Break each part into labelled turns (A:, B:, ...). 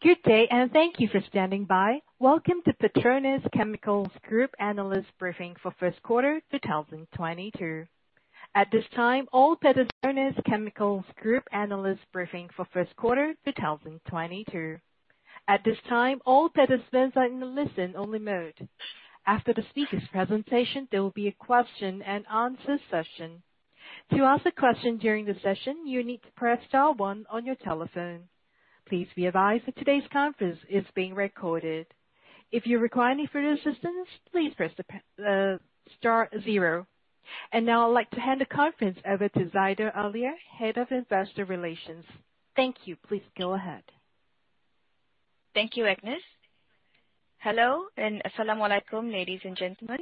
A: Good day, thank you for standing by. Welcome to PETRONAS Chemicals Group Analyst Briefing for first quarter 2022. At this time, all participants are in listen-only mode. After the speaker's presentation, there will be a question and answer session. To ask a question during the session, you need to press star one on your telephone. Please be advised that today's conference is being recorded. If you require any further assistance, please press star zero. Now I'd like to hand the conference over to Zaida Alia Shaari, Head of Investor Relations. Thank you. Please go ahead.
B: Thank you, Agnes. Hello, and assalamualaikum, ladies and gentlemen.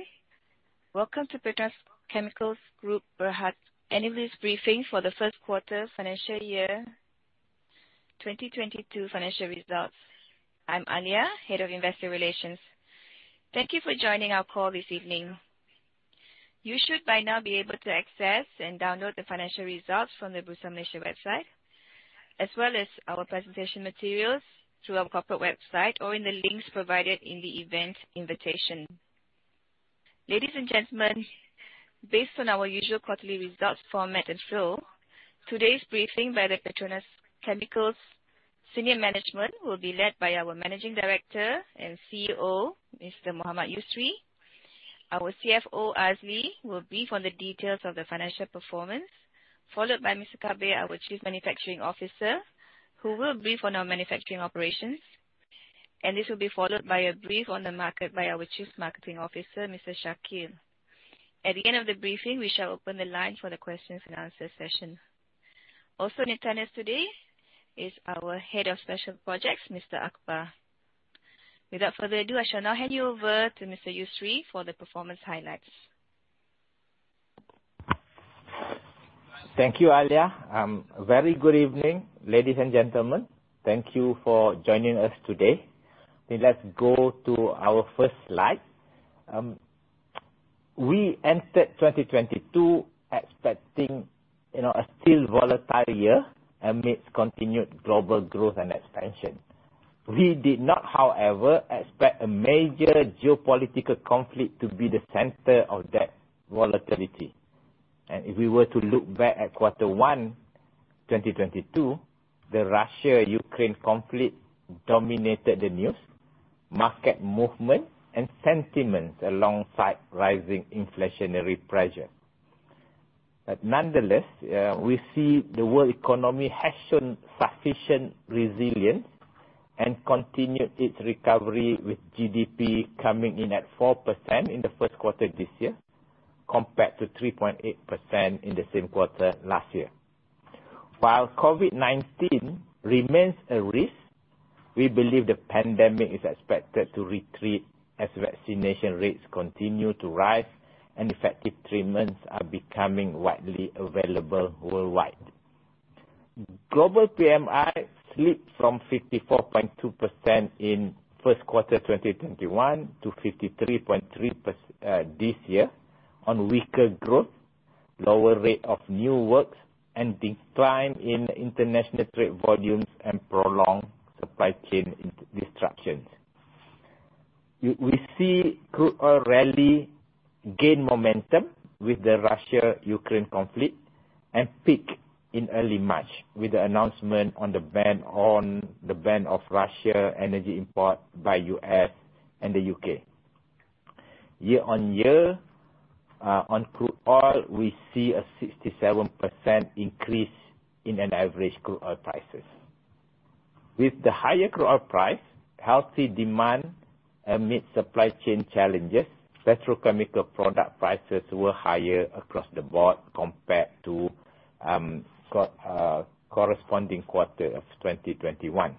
B: Welcome to PETRONAS Chemicals Group Berhad Analyst Briefing for the first quarter financial year 2022 financial results. I'm Zaida Alia Shaari, Head of Investor Relations. Thank you for joining our call this evening. You should by now be able to access and download the financial results from the Bursa Malaysia website, as well as our presentation materials through our corporate website or in the links provided in the event invitation. Ladies and gentlemen, based on our usual quarterly results format and flow, today's briefing by the PETRONAS Chemicals senior management will be led by our Managing Director and CEO, Mr. Mohd Yusri Mohamed Yusof. Our CFO, Mohd Azli Ishak, will brief on the details of the financial performance, followed by Mr. Kabir, our Chief Manufacturing Officer, who will brief on our manufacturing operations, and this will be followed by a brief on the market by our Chief Marketing Officer, Mr. Shakeel. At the end of the briefing, we shall open the line for the questions and answers session. Also in attendance today is our Head of Special Projects, Mr. Akbar. Without further ado, I shall now hand you over to Mr. Yusri for the performance highlights.
C: Thank you, Zaida. Very good evening, ladies and gentlemen. Thank you for joining us today. Let's go to our first slide. We entered 2022 expecting, you know, a still volatile year amidst continued global growth and expansion. We did not, however, expect a major geopolitical conflict to be the center of that volatility. If we were to look back at quarter one, 2022, the Russia-Ukraine conflict dominated the news, market movement, and sentiments alongside rising inflationary pressure. Nonetheless, we see the world economy has shown sufficient resilience and continued its recovery, with GDP coming in at 4% in the first quarter this year, compared to 3.8% in the same quarter last year. While COVID-19 remains a risk, we believe the pandemic is expected to retreat as vaccination rates continue to rise and effective treatments are becoming widely available worldwide. Global PMI slipped from 54.2% in first quarter 2021 to 53.3% this year on weaker growth, lower rate of new works, and decline in international trade volumes and prolonged supply chain disruptions. We see crude oil rally gain momentum with the Russia-Ukraine conflict and peak in early March with the announcement on the ban on Russia energy import by the U.S. and the U.K. Year-on-year on crude oil, we see a 67% increase in an average crude oil prices. With the higher crude oil price, healthy demand amid supply chain challenges, petrochemical product prices were higher across the board compared to corresponding quarter of 2021.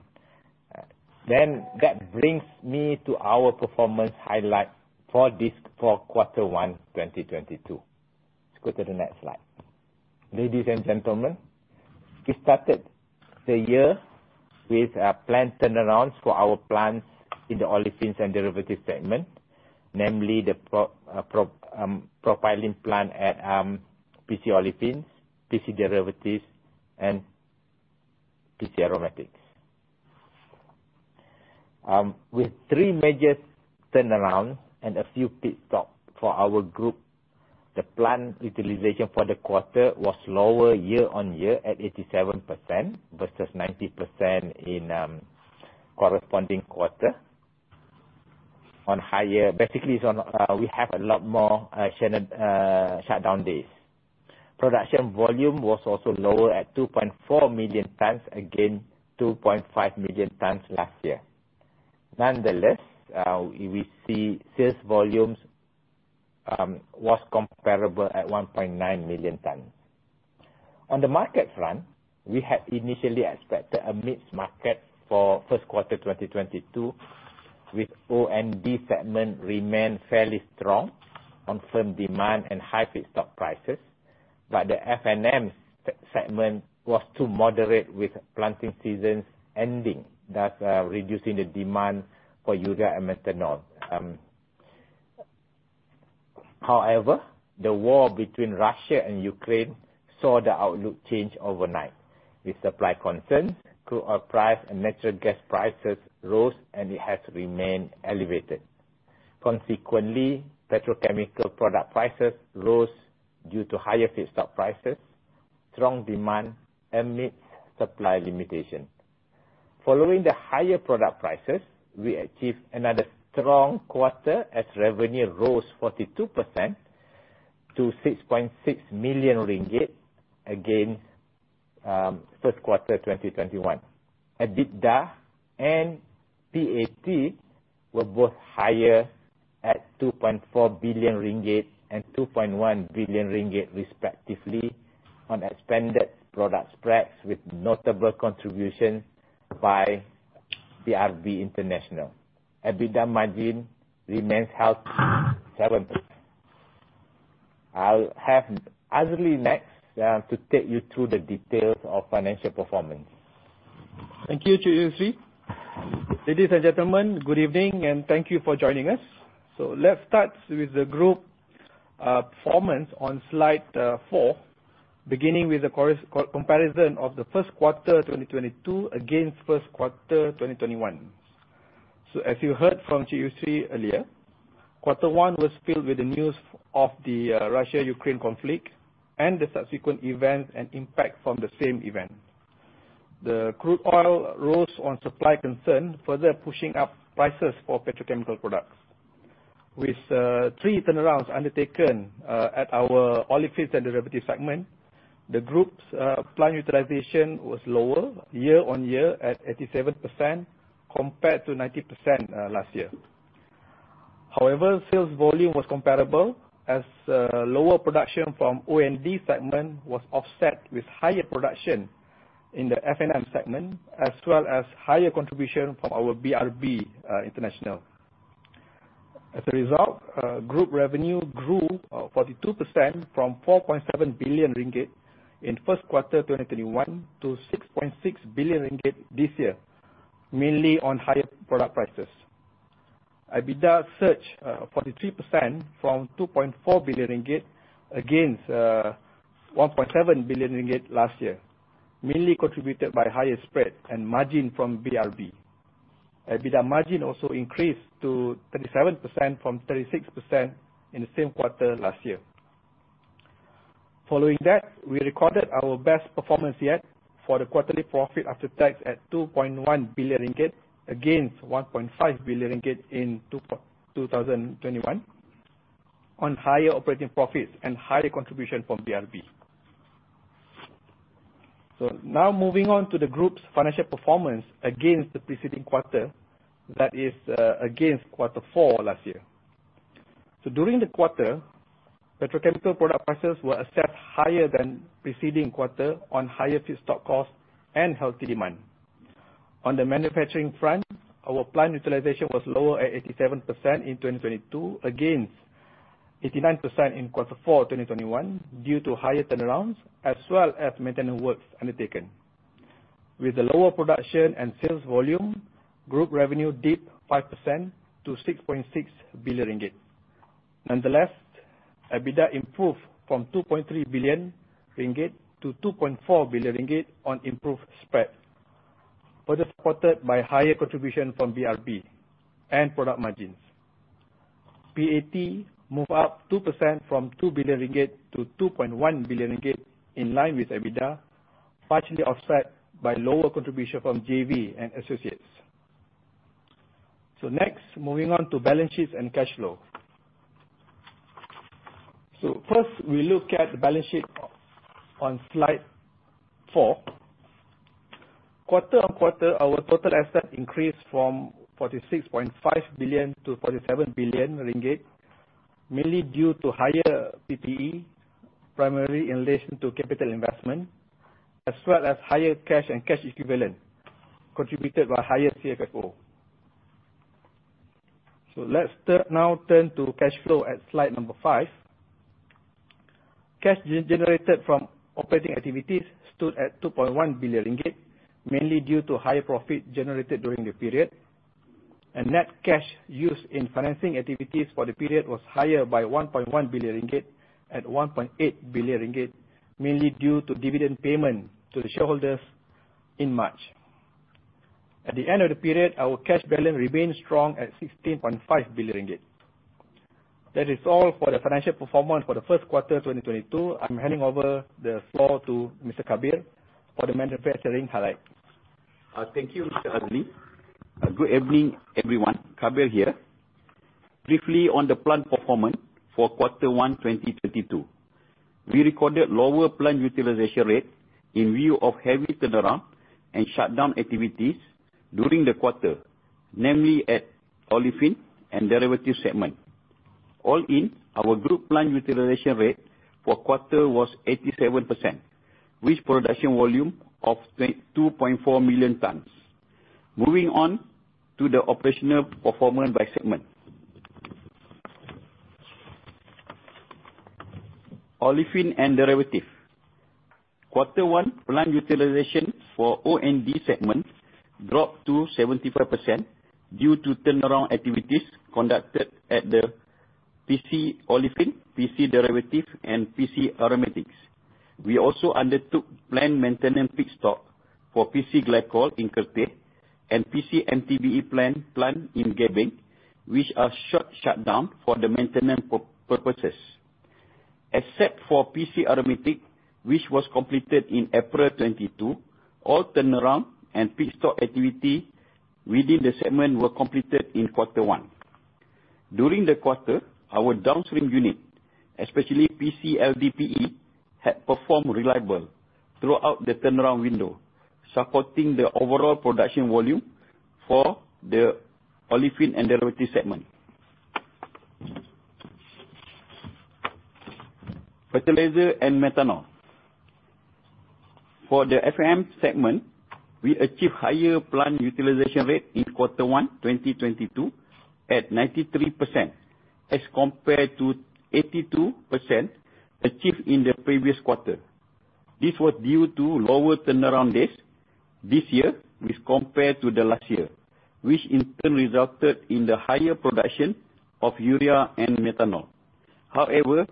C: That brings me to our performance highlight for this for quarter one, 2022. Let's go to the next slide. Ladies and gentlemen, we started the year with plant turnarounds for our plants in the olefins and derivatives segment, namely the propylene plant at PC Olefins, PC Derivatives, and PC Aromatics. With three major turnarounds and a few pit stops for our group, the plant utilization for the quarter was lower year-on-year at 87% versus 90% in the corresponding quarter. Basically it's on higher shutdown days. We have a lot more scheduled shutdown days. Production volume was also lower at 2.4 million tons against 2.5 million tons last year. Nonetheless, we see sales volumes was comparable at 1.9 million tons. On the market front, we had initially expected a mixed market for first quarter 2022, with O&D segment remained fairly strong on firm demand and high feedstock prices. The F&M segment was too moderate with planting seasons ending, thus reducing the demand for urea and methanol. However, the war between Russia and Ukraine saw the outlook change overnight. With supply concerns, crude oil price and natural gas prices rose, and it has remained elevated. Consequently, petrochemical product prices rose due to higher feedstock prices, strong demand amidst supply limitation. Following the higher product prices, we achieved another strong quarter as revenue rose 42% to MYR 6.6 million against first quarter 2021. EBITDA and PAT were both higher at 2.4 billion ringgit and 2.1 billion ringgit respectively on expanded product spreads with notable contribution by BRB International. EBITDA margin remains healthy at 7%. I'll have Azli next to take you through the details of financial performance.
D: Thank you, Yusri. Ladies and gentlemen, good evening, and thank you for joining us. Let's start with the group performance on slide four, beginning with the comparison of the first quarter 2022 against first quarter 2021. As you heard from Yusri earlier, quarter one was filled with the news of the Russia-Ukraine conflict and the subsequent events and impact from the same event. The crude oil rose on supply concern, further pushing up prices for petrochemical products. With three turnarounds undertaken at our Olefins and Derivatives segment, the group's plant utilization was lower year-on-year at 87% compared to 90% last year. However, sales volume was comparable as lower production from O&D segment was offset with higher production in the F&M segment, as well as higher contribution from our BRB International. As a result, group revenue grew 42% from 4.7 billion ringgit in first quarter 2021 to 6.6 billion ringgit this year, mainly on higher product prices. EBITDA surged 43% from 2.4 billion ringgit against 1.7 billion ringgit last year, mainly contributed by higher spread and margin from BRB. EBITDA margin also increased to 37% from 36% in the same quarter last year. Following that, we recorded our best performance yet for the quarterly profit after tax at 2.1 billion ringgit against 1.5 billion ringgit in 2021 on higher operating profits and higher contribution from BRB. Now moving on to the group's financial performance against the preceding quarter, that is, against quarter four last year. During the quarter, petrochemical product prices were assessed higher than preceding quarter on higher feedstock costs and healthy demand. On the manufacturing front, our plant utilization was lower at 87% in 2022 against 89% in quarter four 2021 due to higher turnarounds as well as maintenance works undertaken. With the lower production and sales volume, group revenue dipped 5% to 6.6 billion ringgit. Nonetheless, EBITDA improved from 2.3 billion ringgit to 2.4 billion ringgit on improved spread, further supported by higher contribution from BRB and product margins. PAT moved up 2% from 2 billion ringgit to 2.1 billion ringgit in line with EBITDA, partially offset by lower contribution from JV and associates. Next, moving on to balance sheets and cash flow. First, we look at the balance sheet on slide four. Quarter-on-quarter, our total asset increased from 46.5 billion to 47 billion ringgit, mainly due to higher PPE, primarily in relation to capital investment, as well as higher cash and cash equivalent contributed by higher CFO. Let's now turn to cash flow at slide number five. Cash generated from operating activities stood at 2.1 billion ringgit, mainly due to higher profit generated during the period. Net cash used in financing activities for the period was higher by 1.1 billion ringgit at 1.8 billion ringgit, mainly due to dividend payment to the shareholders in March. At the end of the period, our cash balance remained strong at 16.5 billion ringgit. That is all for the financial performance for the first quarter 2022. I'm handing over the floor to Mr.Kabir for the manufacturing highlight.
E: Thank you, Mr. Azli. Good evening, everyone. Kabir here. Briefly on the plant performance for quarter one, 2022. We recorded lower plant utilization rate in view of heavy turnaround and shutdown activities during the quarter, namely at Olefins & Derivatives segment. All in, our group plant utilization rate for quarter was 87% with production volume of 2.4 million tons. Moving on to the operational performance by segment. Olefins and Derivatives. Quarter one plant utilization for O&D segment dropped to 75% due to turnaround activities conducted at the PC Olefins, PC Derivatives and PC Aromatics. We also undertook plant maintenance pit stop for PC Glycols in Kertih and PC MTBE plant in Gebeng, which are short shutdown for the maintenance purposes. Except for PC Aromatics, which was completed in April 2022, all turnaround and pit stop activity within the segment were completed in quarter one. During the quarter, our downstream unit, especially PC LDPE, had performed reliably throughout the turnaround window, supporting the overall production volume for the Olefins and Derivatives segment. Fertilizers and Methanol. For the F&M segment, we achieved higher plant utilization rate in Q1 2022 at 93% as compared to 82% achieved in the previous quarter. This was due to lower turnaround days this year as compared to the last year, which in turn resulted in higher production of urea and methanol. However,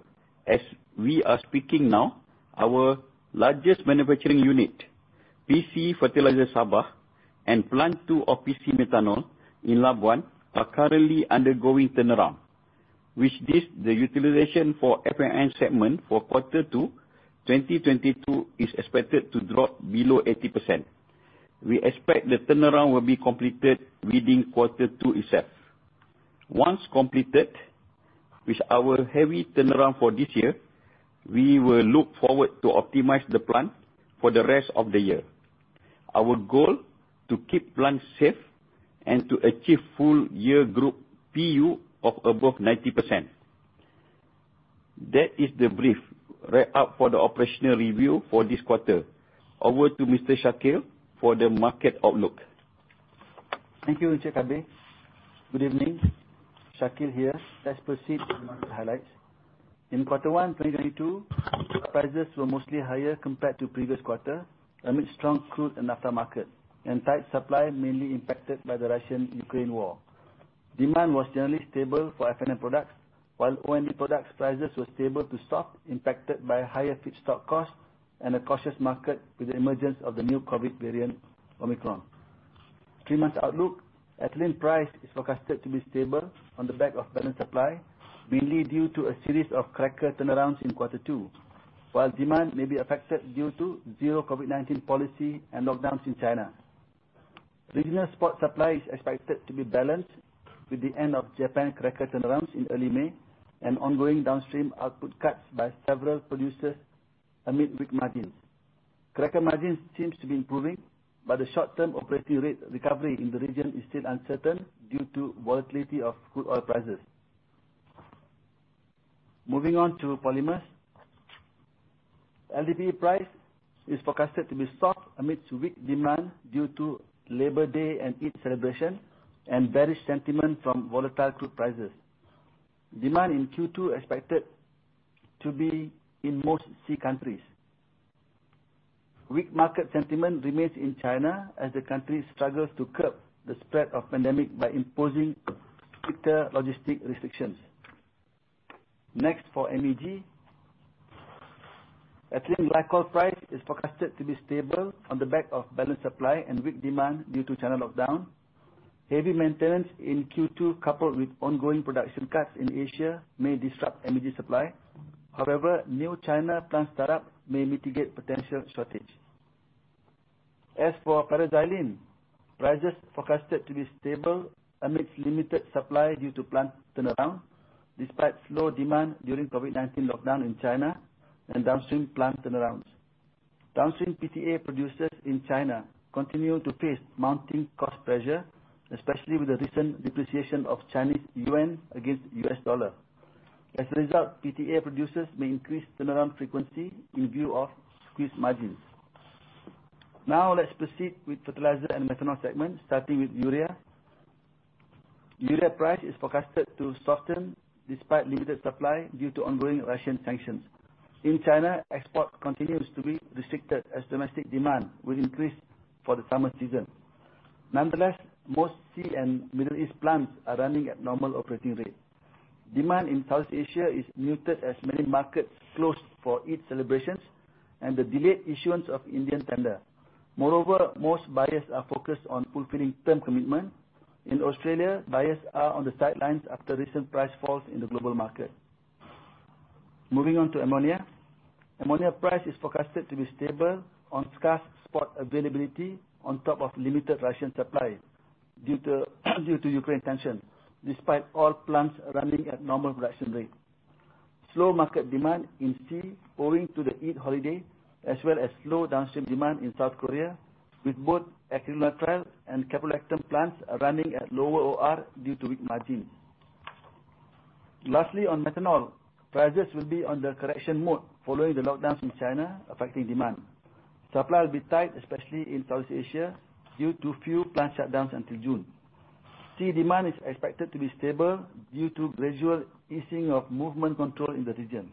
E: as we are speaking now, our largest manufacturing unit, PC Fertiliser Sabah and Plant 2 of PC Methanol in Labuan, are currently undergoing turnaround. With this, the utilization for F&M segment for quarter two 2022 is expected to drop below 80%. We expect the turnaround will be completed within quarter two itself. Once completed, with our heavy turnaround for this year, we will look forward to optimize the plant for the rest of the year. Our goal, to keep plant safe and to achieve full-year group PU of above 90%. That is the brief write-up for the operational review for this quarter. Over to Mr. Shakeel for the market outlook.
F: Thank you, Encik Kabir. Good evening. Shakeel here. Let's proceed with market highlights. In quarter one, 2022, prices were mostly higher compared to previous quarter amid strong crude and naphtha markets and tight supply mainly impacted by the Russia-Ukraine war. Demand was generally stable for F&M products, while O&D products prices were stable to soft, impacted by higher feedstock costs and a cautious market with the emergence of the new COVID variant, Omicron. Three-month outlook. Ethylene price is forecasted to be stable on the back of balanced supply, mainly due to a series of cracker turnarounds in quarter two, while demand may be affected due to zero COVID-19 policy and lockdowns in China. Regional spot supply is expected to be balanced with the end of Japan cracker turnarounds in early May and ongoing downstream output cuts by several producers amid weak margins. Cracker margins seem to be improving, but the short-term operating rate recovery in the region is still uncertain due to volatility of crude oil prices. Moving on to polymers. LDPE price is forecasted to be soft amid weak demand due to Labor Day and Eid celebration and bearish sentiment from volatile crude prices. Demand in Q2 expected to be weak in most SEA countries. Weak market sentiment remains in China as the country struggles to curb the spread of pandemic by imposing stricter logistical restrictions. Next, for MEG. Ethylene glycol price is forecasted to be stable on the back of balanced supply and weak demand due to China's lockdown. Heavy maintenance in Q2, coupled with ongoing production cuts in Asia, may disrupt energy supply. However, new Chinese plants' start-up may mitigate potential shortage. As for paraxylene, prices forecasted to be stable amidst limited supply due to plant turnaround, despite slow demand during COVID-19 lockdown in China and downstream plant turnarounds. Downstream PTA producers in China continue to face mounting cost pressure, especially with the recent depreciation of Chinese yuan against U.S. dollar. As a result, PTA producers may increase turnaround frequency in view of squeezed margins. Now, let's proceed with fertilizer and methanol segment, starting with urea. Urea price is forecasted to soften despite limited supply due to ongoing Russian sanctions. In China, export continues to be restricted as domestic demand will increase for the summer season. Nonetheless, most SEA and Middle East plants are running at normal operating rate. Demand in South Asia is muted as many markets closed for Eid celebrations and the delayed issuance of Indian tender. Moreover, most buyers are focused on fulfilling term commitment. In Australia, buyers are on the sidelines after recent price falls in the global market. Moving on to ammonia. Ammonia price is forecasted to be stable on scarce spot availability on top of limited Russian supply due to Ukraine tension, despite all plants running at normal production rate. Slow market demand in SEA owing to the Eid holiday, as well as slow downstream demand in South Korea, with both acrylonitrile and caprolactam plants running at lower OR due to weak margins. Lastly, on methanol, prices will be on the correction mode following the lockdowns in China affecting demand. Supply will be tight, especially in South Asia, due to few plant shutdowns until June. SEA demand is expected to be stable due to gradual easing of movement control in the region.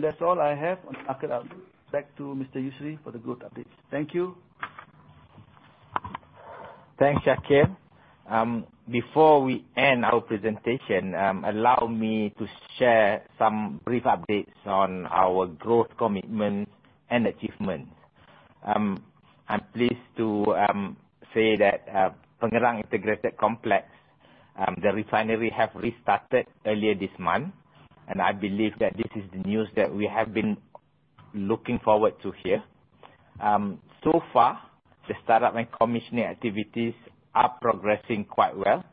F: That's all I have on [our current]. Back to Mr. Yusri for the growth updates. Thank you.
C: Thanks, Shakeel. Before we end our presentation, allow me to share some brief updates on our growth commitment and achievements. I'm pleased to say that Pengerang Integrated Complex, the refinery have restarted earlier this month. I believe that this is the news that we have been looking forward to hear. So far, the startup and commissioning activities are progressing quite well.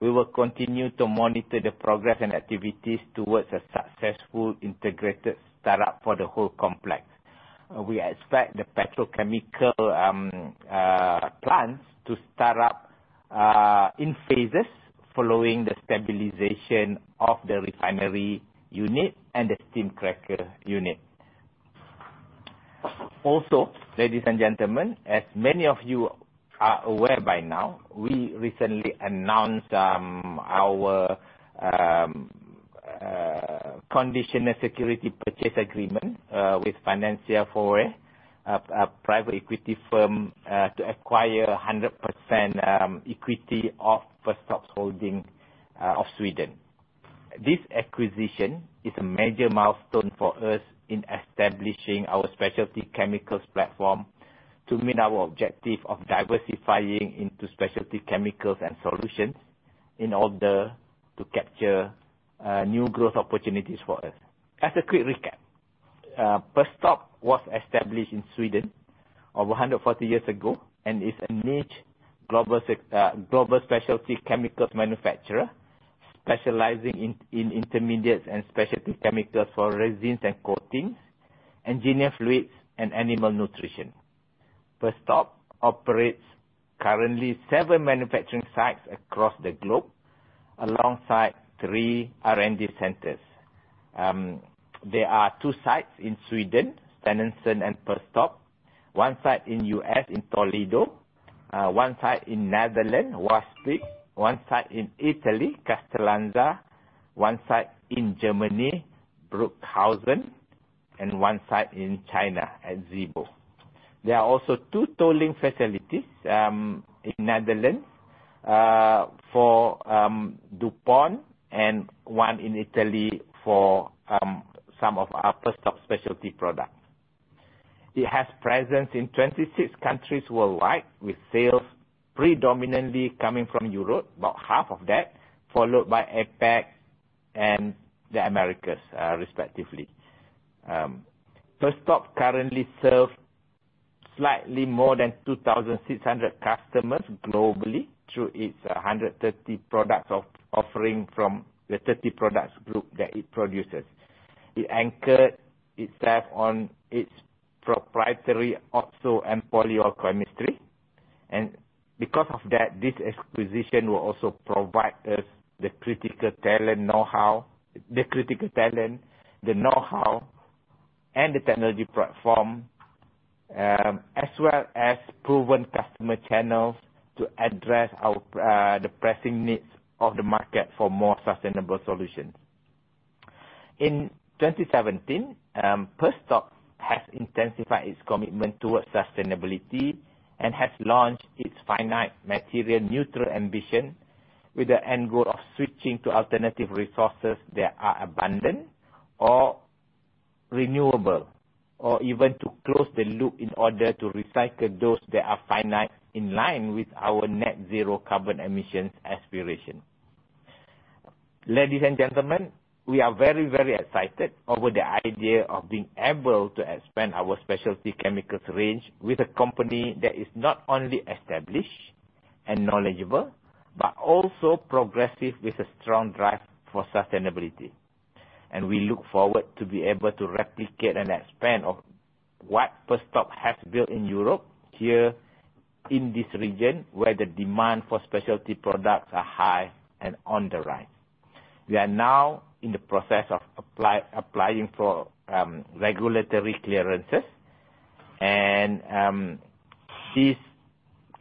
C: We will continue to monitor the progress and activities towards a successful integrated startup for the whole complex. We expect the petrochemical plants to start up in phases following the stabilization of the refinery unit and the steam cracker unit. Also, ladies and gentlemen, as many of you are aware by now, we recently announced our conditional security purchase agreement with Financière Forêt, a private equity firm, to acquire 100% equity of Perstorp's holding of Sweden. This acquisition is a major milestone for us in establishing our specialty chemicals platform to meet our objective of diversifying into specialty chemicals and solutions in order to capture new growth opportunities for us. As a quick recap, Perstorp was established in Sweden over 140 years ago and is a niche global specialty chemicals manufacturer specializing in intermediates and specialty chemicals for resins and coatings, engineering fluids, and animal nutrition. Perstorp operates currently seven manufacturing sites across the globe alongside three R&D centers. There are two sites in Sweden, Stenungsund and Perstorp. One site in U.S. in Toledo, one site in Netherlands, Waalwijk, one site in Italy, Castellanza, one site in Germany, Bruckhausen, and one site in China at Zibo. There are also two tolling facilities in Netherlands for DuPont and one in Italy for some of our Perstorp specialty products. It has presence in 26 countries worldwide, with sales predominantly coming from Europe, about half of that, followed by APAC and the Americas, respectively. Perstorp currently serves slightly more than 2,600 customers globally through its 130 products offering from the 30 products group that it produces. It anchored itself on its proprietary oxo and polyol chemistry. Because of that, this acquisition will also provide us the critical talent knowhow. The critical talent, the know-how, and the technology platform, as well as proven customer channels to address the pressing needs of the market for more sustainable solutions. In 2017, Perstorp has intensified its commitment towards sustainability and has launched its Finite Material Neutral ambition, with the end goal of switching to alternative resources that are abundant or renewable, or even to close the loop in order to recycle those that are finite in line with our net zero carbon emissions aspiration. Ladies and gentlemen, we are very, very excited over the idea of being able to expand our specialty chemicals range with a company that is not only established and knowledgeable, but also progressive, with a strong drive for sustainability. We look forward to be able to replicate and expand on what Perstorp has built in Europe here in this region, where the demand for specialty products are high and on the rise. We are now in the process of applying for regulatory clearances and these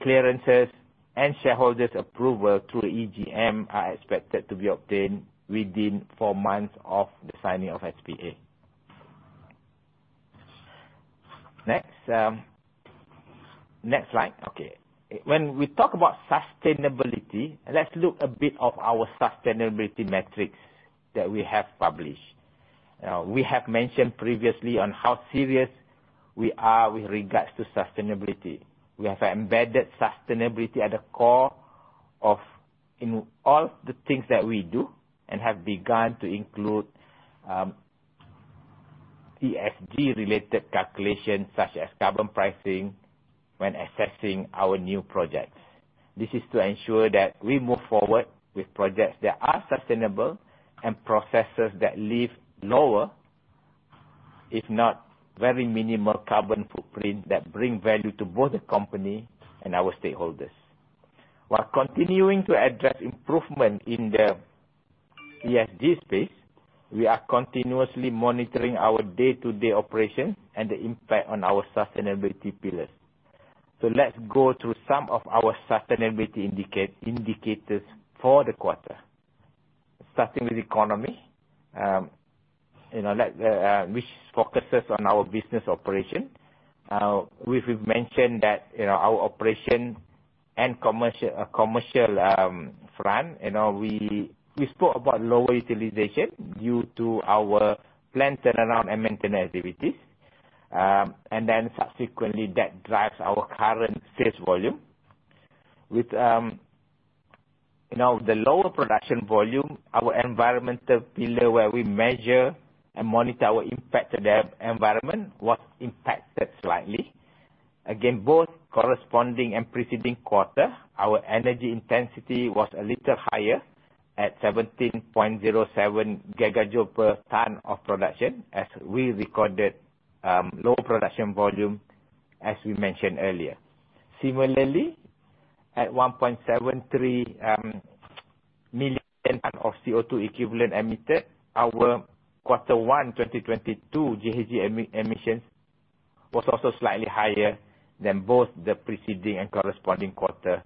C: clearances and shareholders approval through EGM are expected to be obtained within four months of the signing of SPA. Next slide. Okay. When we talk about sustainability, let's look a bit of our sustainability metrics that we have published. We have mentioned previously on how serious we are with regards to sustainability. We have embedded sustainability at the core of all the things that we do and have begun to include ESG-related calculations, such as carbon pricing, when assessing our new projects. This is to ensure that we move forward with projects that are sustainable and processes that leave lower, if not very minimal, carbon footprint that bring value to both the company and our stakeholders. While continuing to address improvement in the ESG space, we are continuously monitoring our day-to-day operations and the impact on our sustainability pillars. Let's go through some of our sustainability indicators for the quarter. Starting with economy, you know, like, which focuses on our business operation. We've mentioned that, you know, our operation and commercial front, you know, we spoke about lower utilization due to our plant turnaround and maintenance activities. Subsequently, that drives our current sales volume. With, you know, the lower production volume, our environmental pillar, where we measure and monitor our impact to the environment, was impacted slightly. Again, both corresponding and preceding quarter, our energy intensity was a little higher at 17.07 gigajoule per ton of production, as we recorded lower production volume, as we mentioned earlier. Similarly, at 1.73 million tons of CO2 equivalent emitted, our quarter one 2022 GHG emissions was also slightly higher than both the preceding and corresponding quarter,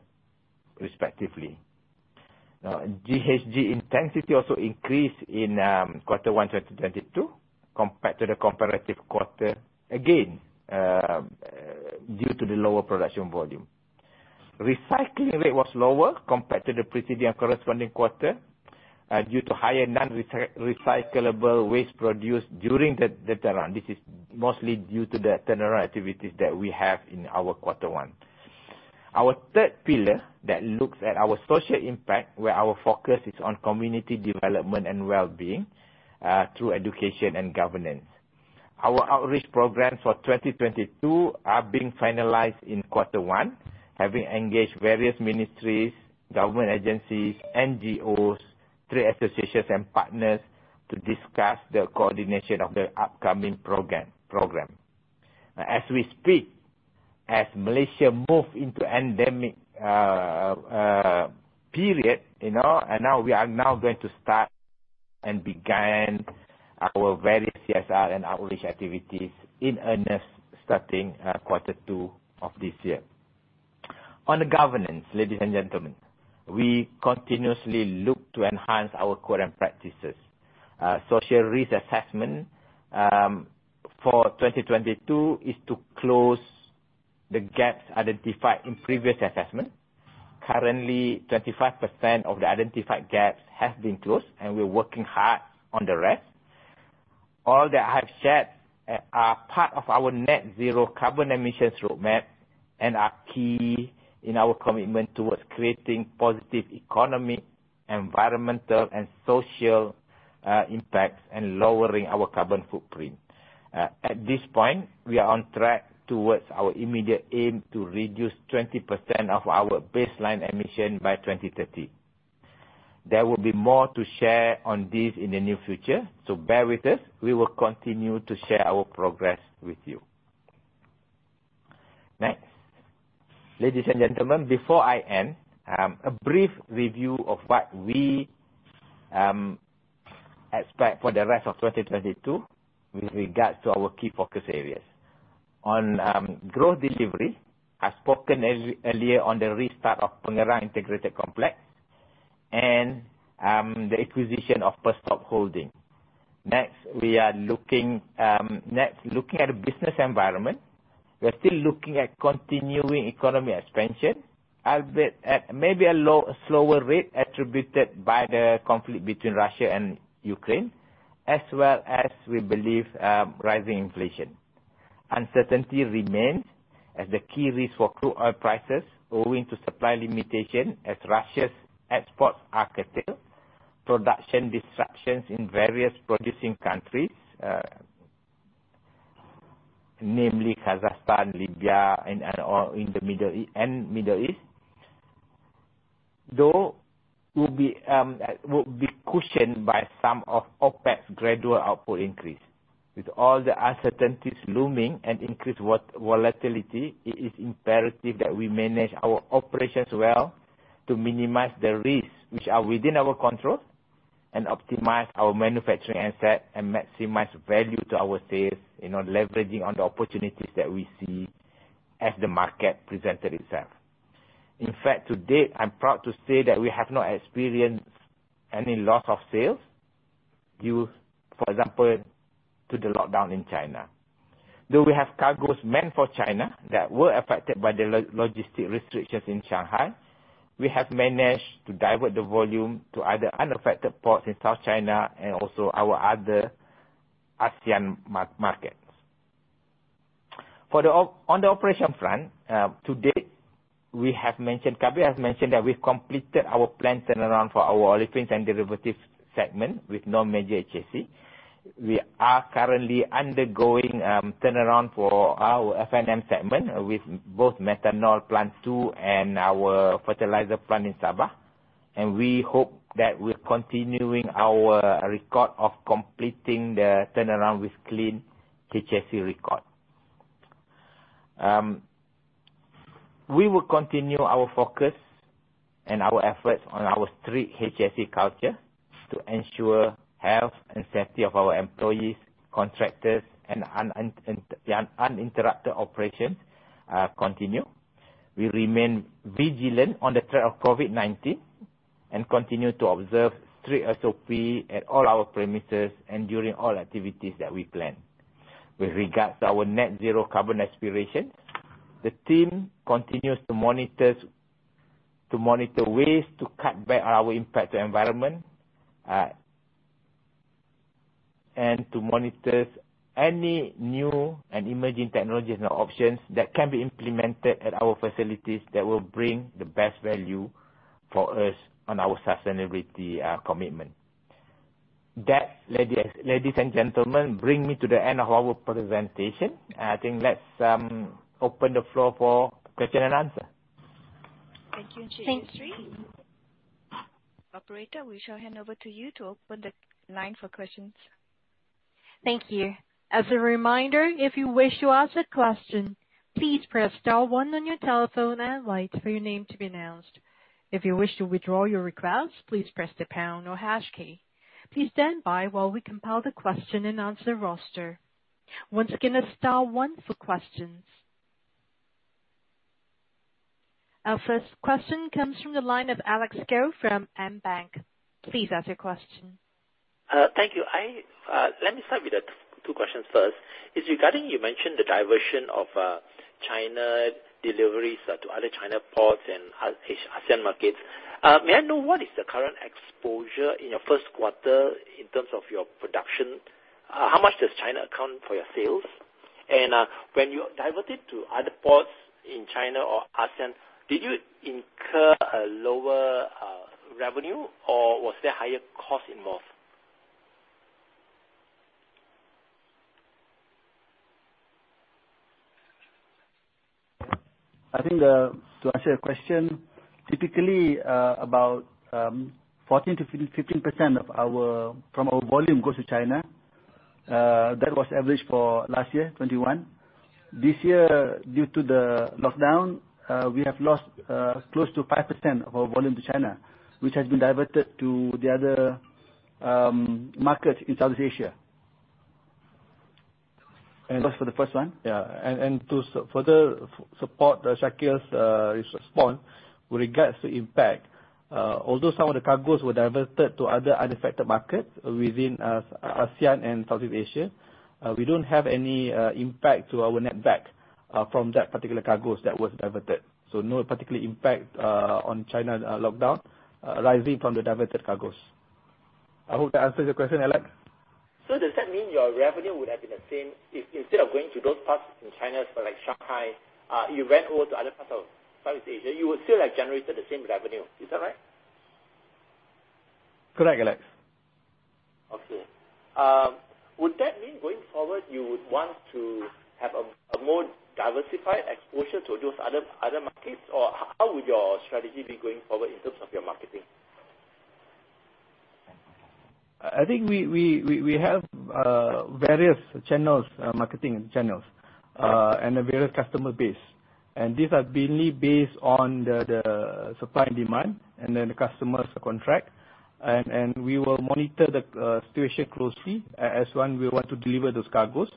C: respectively. Now, GHG intensity also increased in quarter one 2022 compared to the comparative quarter, again due to the lower production volume. Recycling rate was lower compared to the preceding and corresponding quarter due to higher non-recyclable waste produced during the turnaround. This is mostly due to the turnaround activities that we have in our quarter one. Our third pillar that looks at our social impact, where our focus is on community development and well-being through education and governance. Our outreach programs for 2022 are being finalized in quarter one, having engaged various ministries, government agencies, NGOs, trade associations, and partners to discuss the coordination of the upcoming program. As we speak, as Malaysia move into endemic period, you know, and now we are going to start and begin our various CSR and outreach activities in earnest starting quarter two of this year. On the governance, ladies and gentlemen, we continuously look to enhance our current practices. Social risk assessment for 2022 is to close the gaps identified in previous assessment. Currently, 25% of the identified gaps have been closed, and we're working hard on the rest. All that I have shared are part of our net zero carbon emissions roadmap and are key in our commitment towards creating positive economy, environmental, and social impacts, and lowering our carbon footprint. At this point, we are on track towards our immediate aim to reduce 20% of our baseline emission by 2030. There will be more to share on this in the near future, so bear with us. We will continue to share our progress with you. Next. Ladies and gentlemen, before I end, a brief review of what we expect for the rest of 2022 with regards to our key focus areas. On growth delivery, I've spoken earlier on the restart of Pengerang Integrated Complex and the acquisition of Perstorp Holding. Next, we are looking at business environment. We are still looking at continuing economic expansion, albeit at maybe a slower rate attributed to the conflict between Russia and Ukraine, as well as we believe rising inflation. Uncertainty remains as the key risk for crude oil prices owing to supply limitation as Russia's exports are curtailed, production disruptions in various producing countries, namely Kazakhstan, Libya, and the Middle East. Though it will be cushioned by some of OPEC's gradual output increase. With all the uncertainties looming and increased volatility, it is imperative that we manage our operations well to minimize the risks which are within our control and optimize our manufacturing asset and maximize value to our sales, you know, leveraging on the opportunities that we see as the market presented itself. In fact, to date, I'm proud to say that we have not experienced any loss of sales due, for example, to the lockdown in China. Though we have cargoes meant for China that were affected by the logistic restrictions in Shanghai, we have managed to divert the volume to other unaffected ports in South China and also our other ASEAN markets. On the operation front, to date, we have mentioned, Kabir has mentioned that we've completed our plant turnaround for our Olefins and Derivatives segment with no major HSE. We are currently undergoing turnaround for our F&M segment with both methanol Plant Two and our fertilizer plant in Sabah, and we hope that we're continuing our record of completing the turnaround with clean HSE record. We will continue our focus and our efforts on our three HSE culture to ensure health and safety of our employees, contractors, and the uninterrupted operation continue. We remain vigilant on the threat of COVID-19 and continue to observe strict SOP at all our premises and during all activities that we plan. With regards to our net zero carbon aspiration, the team continues to monitor ways to cut back our impact to environment, and to monitor any new and emerging technologies and options that can be implemented at our facilities that will bring the best value for us on our sustainability commitment. That, ladies and gentlemen, bring me to the end of our presentation. I think let's open the floor for question and answer.
B: Thank you, Encik Yusri. Operator, we shall hand over to you to open the line for questions.
A: Thank you. As a reminder, if you wish to ask a question, please press star one on your telephone and wait for your name to be announced. If you wish to withdraw your request, please press the pound or hash key. Please stand by while we compile the question and answer roster. Once again, it's star one for questions. Our first question comes from the line of Alex Goh from AmBank. Please ask your question.
G: Thank you. Let me start with two questions first. It's regarding you mentioned the diversion of China deliveries to other China ports and ASEAN markets. May I know what is the current exposure in your first quarter in terms of your production? How much does China account for your sales? And when you diverted to other ports in China or ASEAN, did you incur a lower revenue, or was there higher cost involved?
F: I think to answer your question, typically about 14%-15% of our volume goes to China. That was average for last year, 2021. This year, due to the lockdown, we have lost close to 5% of our volume to China, which has been diverted to the other markets in Southeast Asia.
G: That's for the first one?
E: Yeah. To further support Shakeel's response with regards to impact, although some of the cargoes were diverted to other unaffected markets within ASEAN and Southeast Asia, we don't have any impact to our netback from that particular cargoes that was diverted. No particular impact on China lockdown arising from the diverted cargoes. I hope that answers your question, Alex.
G: Does that mean your revenue would have been the same instead of going to those parts in China for like Shanghai, you went over to other parts of Southeast Asia, you would still have generated the same revenue? Is that right?
E: Correct, Alex.
G: Okay. Would that mean going forward, you would want to have a more diversified exposure to those other markets, or how would your strategy be going forward in terms of your marketing?
F: I think we have various marketing channels and our various customer base. These are mainly based on the supply and demand and then the customer's contract. We will monitor the situation closely, as we want to deliver those cargoes.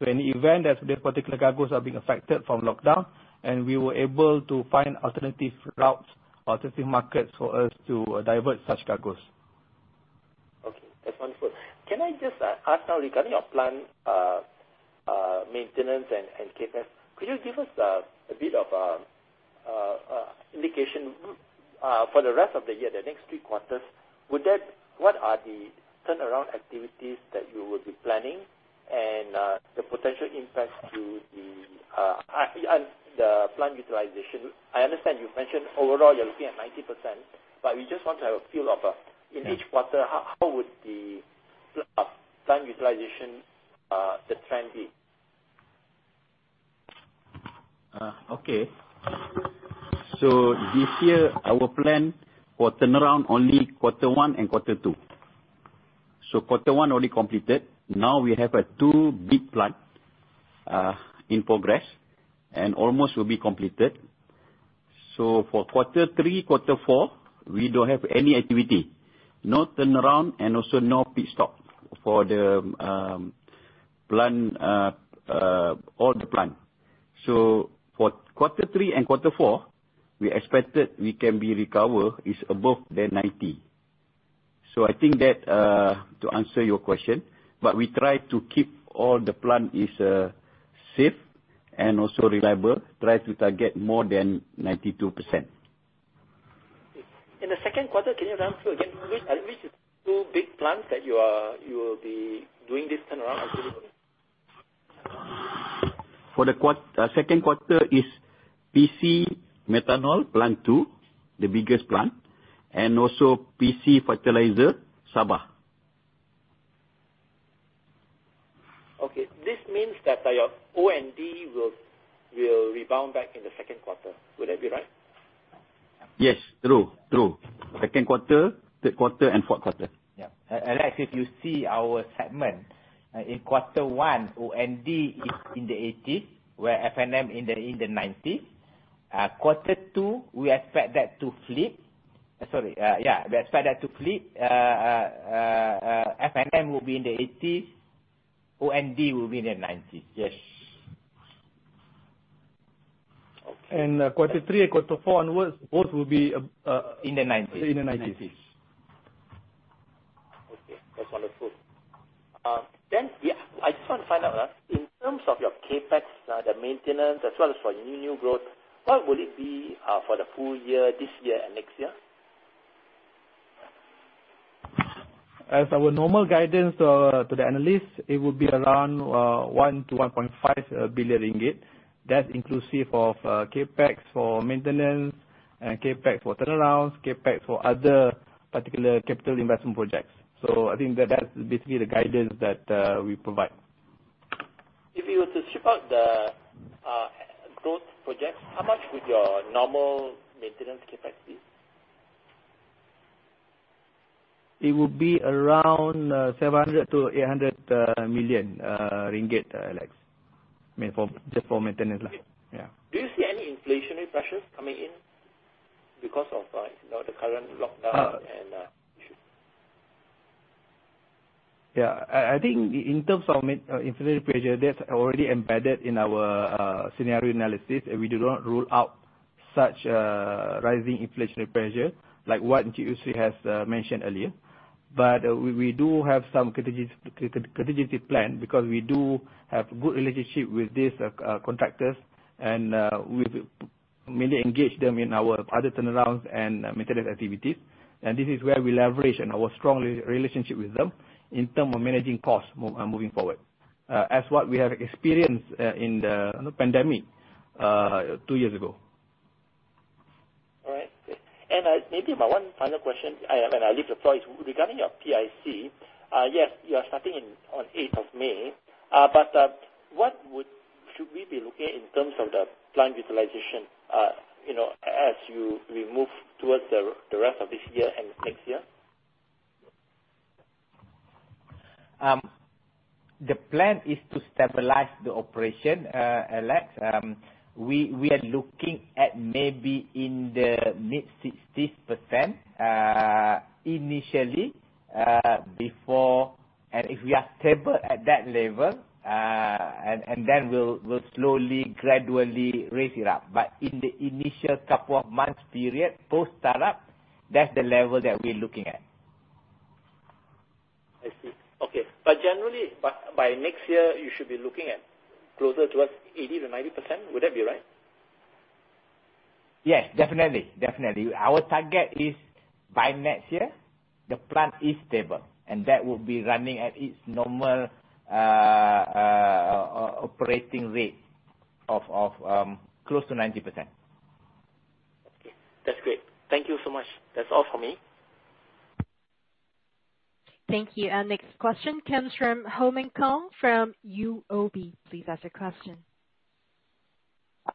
F: In the event that the particular cargoes are being affected by lockdown and we were able to find alternative routes or alternative markets for us to divert such cargoes.
G: Okay. That's wonderful. Can I just ask now regarding your plan, maintenance and CapEx, could you give us a bit of indication for the rest of the year, the next three quarters? What are the turnaround activities that you would be planning and the potential impact to the plant utilization? I understand you've mentioned overall you're looking at 90%, but we just want to have a feel of in each quarter, how would the plant utilization, the trend be?
E: Okay. This year our plan for turnaround only quarter one and quarter two. Quarter one already completed. Now we have two big plants in progress and almost will be completed. For quarter three, quarter four, we don't have any activity. No turnaround and also no pit stop for the plant, all the plants. For quarter three and quarter four, we expected we can be recover is above 90%. I think that to answer your question, we try to keep all the plants safe and also reliable, try to target more than 92%.
G: In the second quarter, can you run through again which two big plants that you will be doing this turnaround on?
E: For the second quarter is PC Methanol Plant 2, the biggest plant, and also PC Fertiliser Sabah.
G: Okay. This means that your O&D will rebound back in the second quarter. Would that be right?
E: Yes, true. Second quarter, third quarter and fourth quarter.
C: Alex, if you see our segment in quarter one, O&D is in the 80s% while F&M in the 90s%. Quarter two, we expect that to flip. Sorry. We expect that to flip. F&M will be in the 80s%, O&D will be in the 90s%. Yes.
D: Okay. Quarter three and quarter four onwards, both will be.
C: In the 90s.
D: In the 1990s.
G: Okay. That's wonderful. Yeah, I just want to find out, in terms of your CapEx, the maintenance as well as for new growth, what will it be for the full year this year and next year?
D: As our normal guidance to the analysts, it will be around 1 billion-1.5 billion ringgit. That's inclusive of CapEx for maintenance and CapEx for turnarounds, CapEx for other particular capital investment projects. I think that that's basically the guidance that we provide.
G: If you were to strip out the, growth projects, how much would your normal maintenance CapEx be?
D: It would be around 700 million-800 million ringgit, Alex. I mean, just for maintenance like. Yeah.
G: Do you see any inflationary pressures coming in because of, you know, the current lockdown issue?
D: I think in terms of inflationary pressure, that's already embedded in our scenario analysis, and we do not rule out such rising inflationary pressure like what Yusri has mentioned earlier. We do have some contingency plan because we do have good relationship with these contractors and we've mainly engaged them in our other turnarounds and maintenance activities. This is where we leverage on our strong relationship with them in term of managing costs moving forward. As what we have experienced in the you know pandemic two years ago.
G: All right. Maybe my one final question I have, and I leave the floor, is regarding your PIC. Yes, you are starting in on eighth of May. What should we be looking in terms of the plant utilization, you know, as we move towards the rest of this year and next year?
C: The plan is to stabilize the operation, Alex. We are looking at maybe in the mid-60s%, initially. If we are stable at that level, and then we'll slowly gradually raise it up. But in the initial couple of months period, post-startup, that's the level that we're looking at.
G: I see. Okay. Generally, but by next year, you should be looking at closer towards 80%-90%. Would that be right?
C: Yes, definitely. Our target is by next year, the plant is stable, and that would be running at its normal operating rate of close to 90%.
G: Okay. That's great. Thank you so much. That's all for me.
A: Thank you. Our next question comes from Ho Meng Kong from UOB. Please ask your question.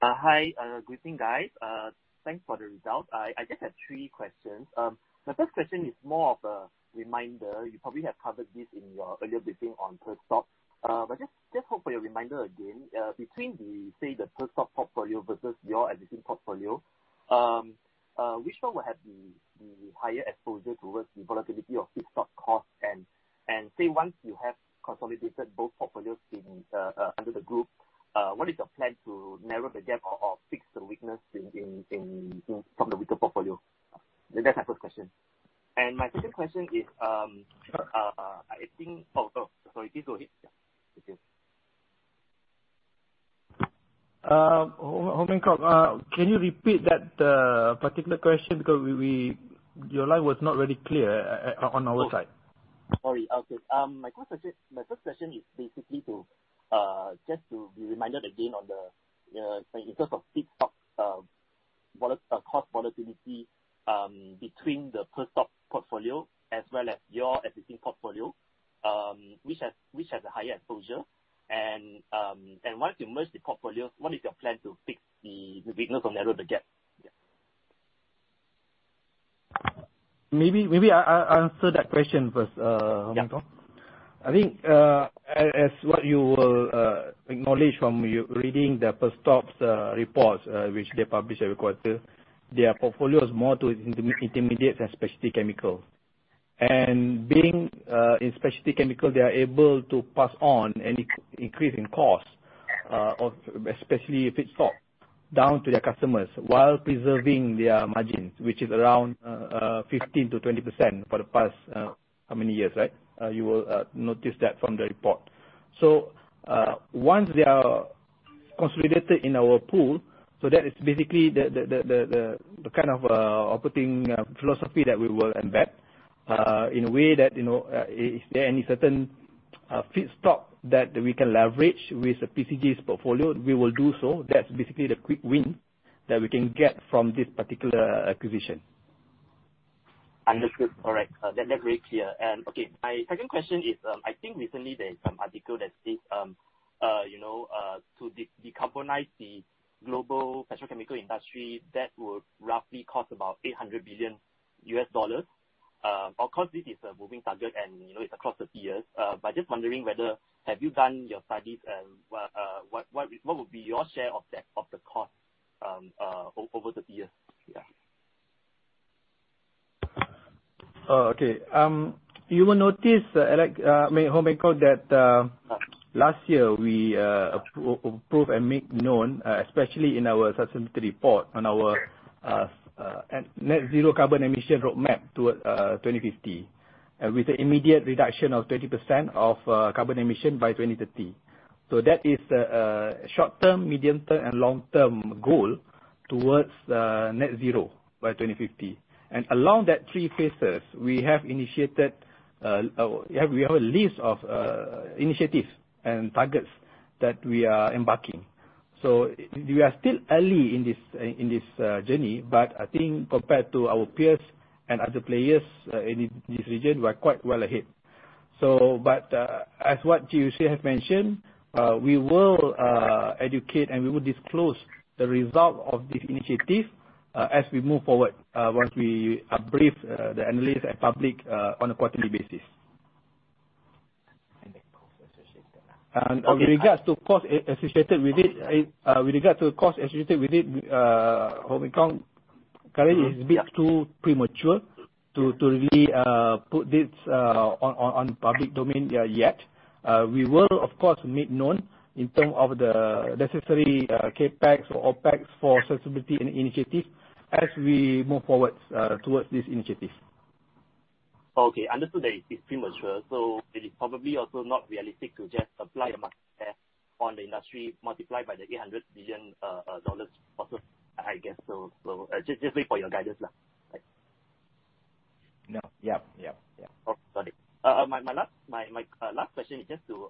H: Hi. Greeting guys. Thanks for the result. I just have three questions. My first question is more of a reminder. You probably have covered this in your earlier briefing on Perstorp. But just hope for your reminder again, between, say, the Perstorp portfolio versus your existing portfolio, which one will have the higher exposure towards the volatility of feedstock costs and say once you have consolidated both portfolios in under the group, what is your plan to narrow the gap or fix the weakness in from the weaker portfolio? That's my first question. My second question is, I think. Sorry. Please go ahead. Yeah. Thank you.
D: Ho Meng Kong, can you repeat that particular question because your line was not very clear on our side.
H: Sorry. Okay. My first question is basically to just to be reminded again on the in terms of feedstock cost volatility between the Perstorp portfolio as well as your existing portfolio which has a higher exposure. Once you merge the portfolios, what is your plan to fix the weakness or narrow the gap? Yeah.
D: Maybe I answer that question first.
H: Yeah.
D: I think, as what you will acknowledge from your reading the Perstorp's reports, which they publish every quarter, their portfolio is more to intermediate and specialty chemical. Being in specialty chemical, they are able to pass on any increase in cost of especially if it's stock down to their customers while preserving their margins, which is around 15%-20% for the past how many years, right? You will notice that from the report. Once they are consolidated in our pool, that is basically the kind of operating philosophy that we will embed in a way that, you know, is there any certain feedstock that we can leverage with the PCG's portfolio, we will do so. That's basically the quick win that we can get from this particular acquisition.
H: Understood. All right. That very clear. Okay, my second question is, I think recently there is some article that states, you know, to decarbonize the global petrochemical industry, that would roughly cost about $800 billion. Of course this is a moving target and, you know, it's across the years. But just wondering whether have you done your studies and what would be your share of that, of the cost, over the years? Yeah.
D: Okay. You will notice, like, Ho Meng Kong, that last year we approved and make known, especially in our sustainability report on our net zero carbon emissions roadmap toward 2050. With the immediate reduction of 30% of carbon emissions by 2030. That is the short-term, medium-term, and long-term goal towards net zero by 2050. Along that three phases, we have initiated. We have a list of initiatives and targets that we are embarking. We are still early in this journey, but I think compared to our peers and other players in this region, we are quite well ahead. As what GC have mentioned, we will educate and we will disclose the result of this initiative, as we move forward, once we brief the analyst and public on a quarterly basis.
H: The cost associated.
D: With regard to the costs associated with it, Ho Meng Kong, currently it's a bit too premature to really put this on public domain yet. We will of course make known in terms of the necessary CapEx or OpEx for sustainability and initiative as we move forward towards this initiative.
H: Okay. Understood that it's premature, so it is probably also not realistic to just apply the mark there on the industry multiplied by the $800 billion also, I guess so. Just wait for your guidance now, right?
D: No. Yeah.
H: Oh, got it. My last question is just to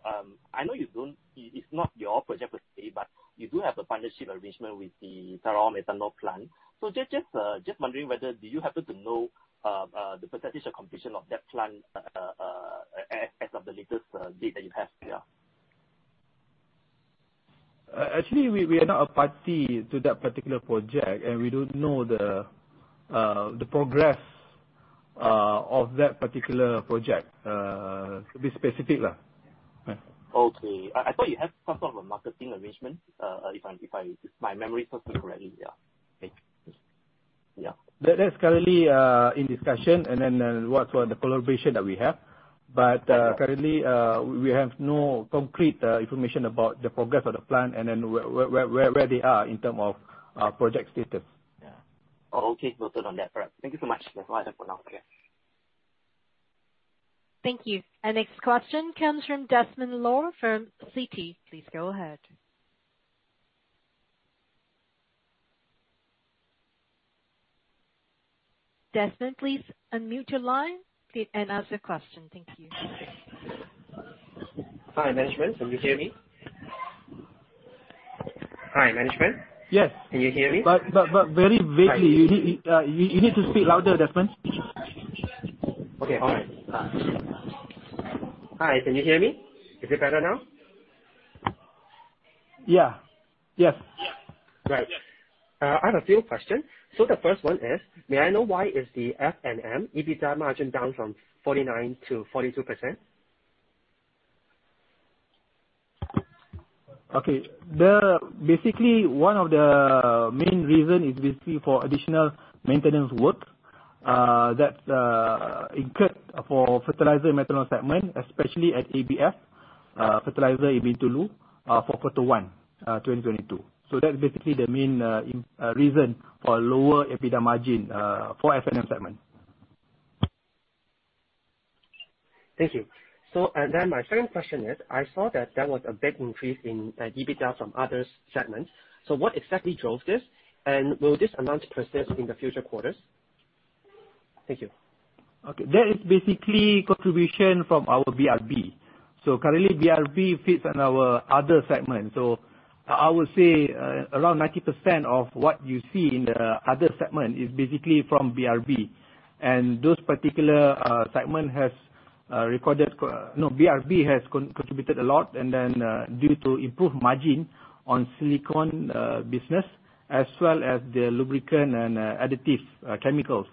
H: I know you don't. It's not your project per se, but you do have a partnership arrangement with the [Pengerang methanol] plant. Just wondering whether do you happen to know the percentage of completion of that plant as of the latest date that you have there?
D: Actually, we are not a party to that particular project, and we don't know the progress of that particular project. To be specific there. Yeah.
H: Okay. I thought you have some sort of a marketing arrangement. If my memory serves me correctly, yeah. Thank you. Yeah.
D: That is currently in discussion and then what's the collaboration that we have. Currently, we have no concrete information about the progress of the plan and then where they are in terms of project status.
H: Yeah. Okay. Noted on that part. Thank you so much. That's all I have for now. Okay.
A: Thank you. Our next question comes from Desmond Loh from Citi. Please go ahead. Desmond, please unmute your line and ask the question. Thank you.
I: Hi, management. Can you hear me? Hi, management.
D: Yes.
I: Can you hear me?
C: Very vaguely.
I: Sorry.
C: You need to speak louder, Desmond.
I: Okay. All right. Hi, can you hear me? Is it better now?
D: Yeah. Yes.
I: Right. I have a few question. The first one is, may I know why is the F&M EBITDA margin down from 49%-42%?
D: Okay. Basically, one of the main reason is basically for additional maintenance work that incurred for fertilizer and methanol segment, especially at ABF, fertilizer in Bintulu, for quarter one, 2022. That's basically the main reason for lower EBITDA margin for F&M segment.
I: Thank you. My second question is, I saw that there was a big increase in EBITDA from other segments. What exactly drove this, and will this amount persist in the future quarters? Thank you.
D: Okay. That is basically contribution from our BRB. Currently, BRB fits in our other segment. I would say around 90% of what you see in the other segment is basically from BRB. BRB has contributed a lot, and then due to improved margin on silicone business, as well as the lubricant and additive chemicals,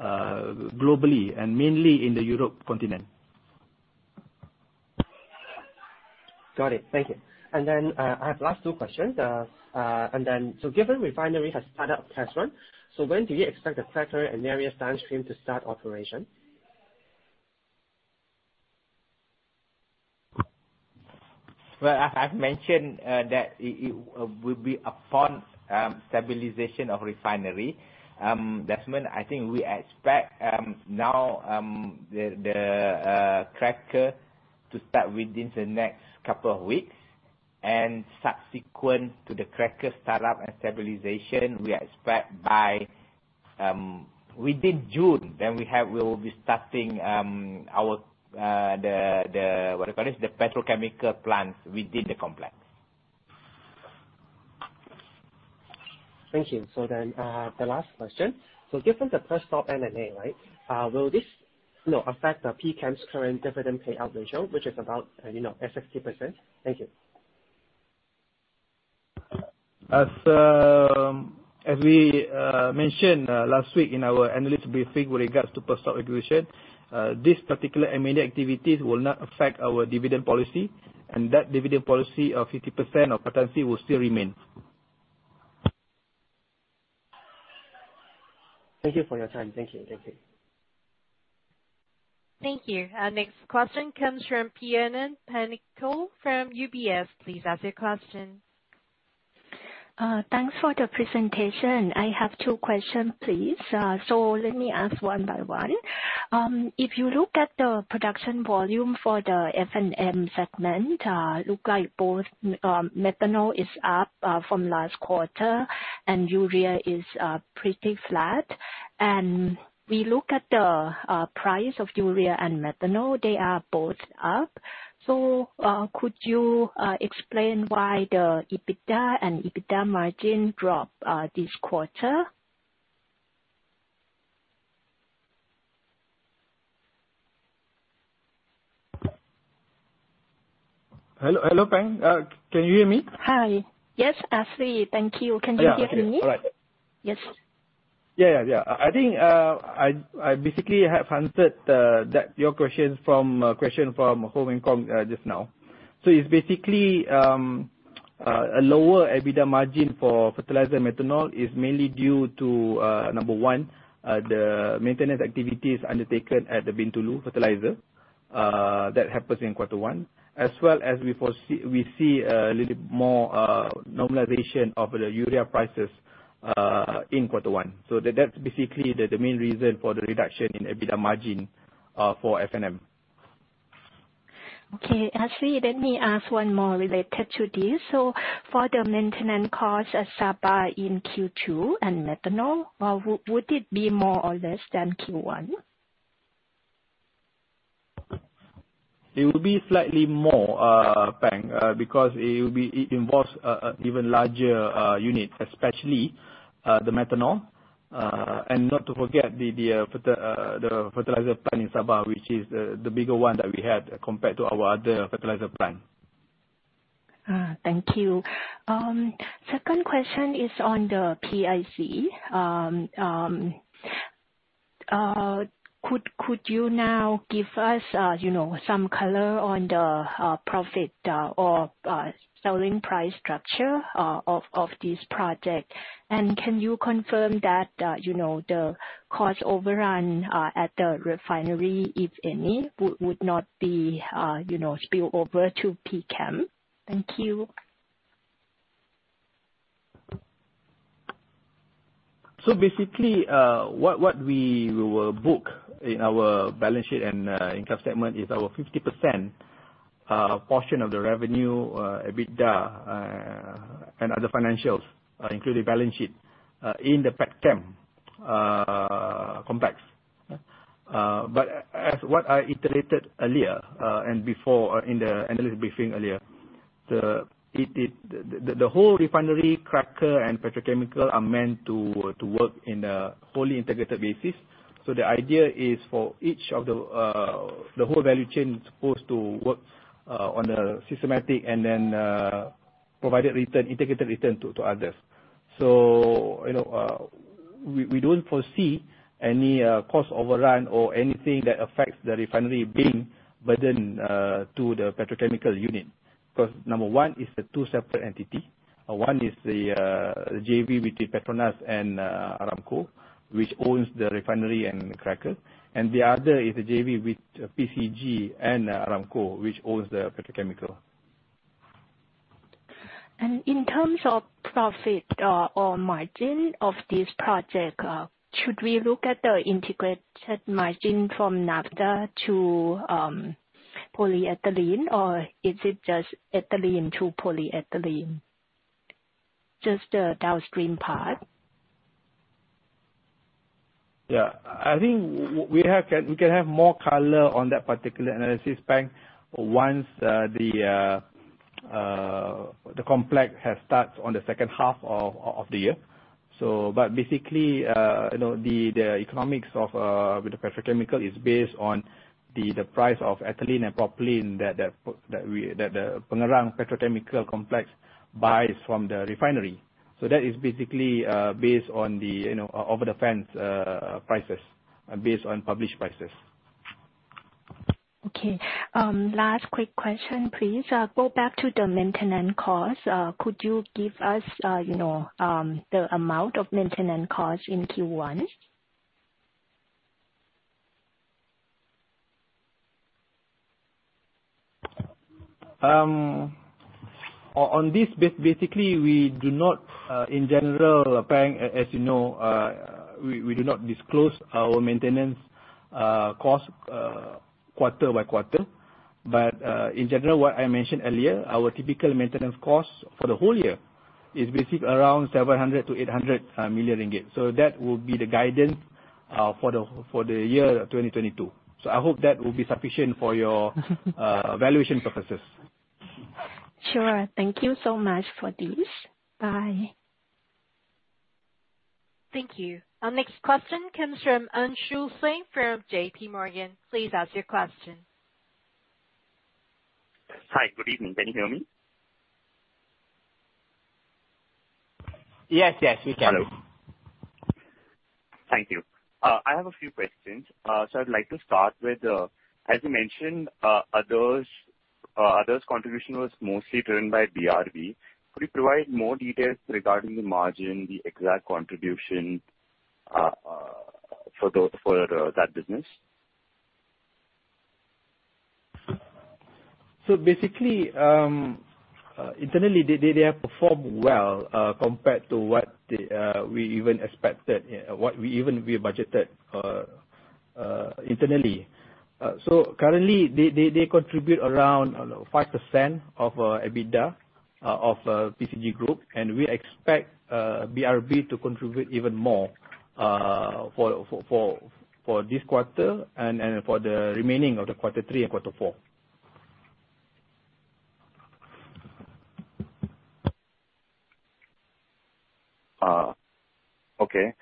D: globally and mainly in the European continent.
I: Got it. Thank you. I have last two questions. Given the refinery has started up test run, when do you expect the cracker and various downstream to start operation?
C: Well, as I've mentioned, that it will be upon stabilization of refinery. Desmond, I think we expect now the cracker to start within the next couple of weeks and subsequent to the cracker start-up and stabilization, we expect by within June we will be starting our the what I call it? The petrochemical plants within the complex.
I: Thank you. The last question. Given the first wave of M&A, right, will this, you know, affect PChem's current dividend payout ratio, which is about, you know, at 60%? Thank you.
D: As we mentioned last week in our analyst briefing with regards to. [inaudible] This particular M&A activities will not affect our dividend policy, and that dividend policy of 50% of PAT will still remain.
I: Thank you for your time. Thank you. Thank you.
A: Thank you. Our next question comes from Pianin Panico from UBS. Please ask your question.
J: Thanks for the presentation. I have two question, please. Let me ask one by one. If you look at the production volume for the F&M segment, look like both methanol is up from last quarter and urea is pretty flat. We look at the price of urea and methanol, they are both up. Could you explain why the EBITDA and EBITDA margin dropped this quarter?
D: Hello, hello, Pianin. Can you hear me?
J: Hi. Yes, Azli, thank you. Can you hear me?
D: Yeah. Okay. All right.
J: Yes.
D: Yeah. I think I basically have answered that your question from Ho Meng Kong just now. It's basically a lower EBITDA margin for fertilizer methanol mainly due to number one the maintenance activities undertaken at the Bintulu Fertilizer that happens in quarter one, as well as we see a little more normalization of the urea prices in quarter one. That's basically the main reason for the reduction in EBITDA margin for F&M.
J: Okay. Azli, let me ask one more related to this. For the maintenance cost at Sabah in Q2 and methanol, would it be more or less than Q1?
D: It will be slightly more, Pianin, because it will be, it involves even larger units, especially the methanol. Not to forget the fertilizer plant in Sabah, which is the bigger one that we have compared to our other fertilizer plant.
J: Thank you. Second question is on the PIC. Could you now give us, you know, some color on the profit or selling price structure of this project? Can you confirm that, you know, the cost overrun at the refinery, if any, would not be, you know, spill over to PChem? Thank you.
D: Basically, what we will book in our balance sheet and income statement is our 50% portion of the revenue, EBITDA, and other financials, including balance sheet, in the PChem complex. As what I iterated earlier and before in the analyst briefing earlier, the whole refinery cracker and petrochemical are meant to work in a fully integrated basis. The idea is for each of the whole value chain is supposed to work on a systematic and then provide a return, integrated return to others. You know, we don't foresee any cost overrun or anything that affects the refinery being burdened to the petrochemical unit. Because number one, it's a two separate entity. One is the JV between PETRONAS and Saudi Aramco, which owns the refinery and cracker. The other is a JV with PCG and Saudi Aramco, which owns the petrochemical.
J: In terms of profit, or margin of this project, should we look at the integrated margin from naphtha to polyethylene, or is it just ethylene to polyethylene? Just the downstream part.
D: I think we can have more color on that particular analysis, Pianin, once the complex starts on the second half of the year. Basically, you know, the economics of the petrochemical is based on the price of ethylene and propylene that the Pengerang petrochemical complex buys from the refinery. That is basically based on the, you know, over the fence prices, based on published prices.
J: Okay. Last quick question, please. Go back to the maintenance cost. Could you give us, you know, the amount of maintenance cost in Q1?
D: On this, basically, we do not, in general, Pianin, as you know, we do not disclose our maintenance cost quarter by quarter. In general, what I mentioned earlier, our typical maintenance cost for the whole year is basically around 700 million-800 million ringgit. That would be the guidance for the year 2022. I hope that will be sufficient for your valuation purposes. Sure. Thank you so much for this. Bye.
A: Thank you. Our next question comes from Anshu Singh from JPMorgan. Please ask your question.
K: Hi. Good evening. Can you hear me?
D: Yes, yes, we can.
K: Hello. Thank you. I have a few questions. I'd like to start with... As you mentioned, others contribution was mostly driven by BRB. Could you provide more details regarding the margin, the exact contribution, for that business?
D: Basically, internally they have performed well, compared to what we even expected, what we budgeted, internally. Currently they contribute around 5% of EBITDA of PCG Group. We expect BRB to contribute even more for this quarter and for the remaining of quarter three and quarter four.
K: Okay.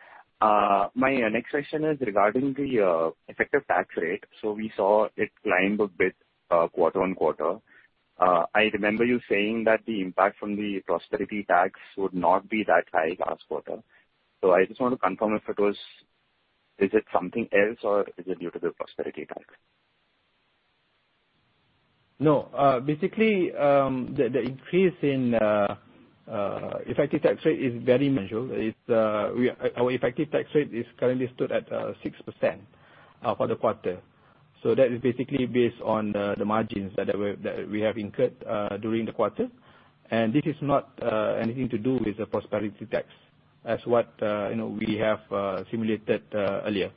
K: My next question is regarding the effective tax rate. We saw it climbed a bit quarter-on-quarter. I remember you saying that the impact from the prosperity tax would not be that high last quarter. I just want to confirm. Is it something else or is it due to the prosperity tax?
D: No. Basically, the increase in effective tax rate is very marginal. It's. Our effective tax rate is currently stood at 6% for the quarter. That is basically based on the margins that we have incurred during the quarter. This is not anything to do with the prosperity tax, as you know, we have simulated earlier.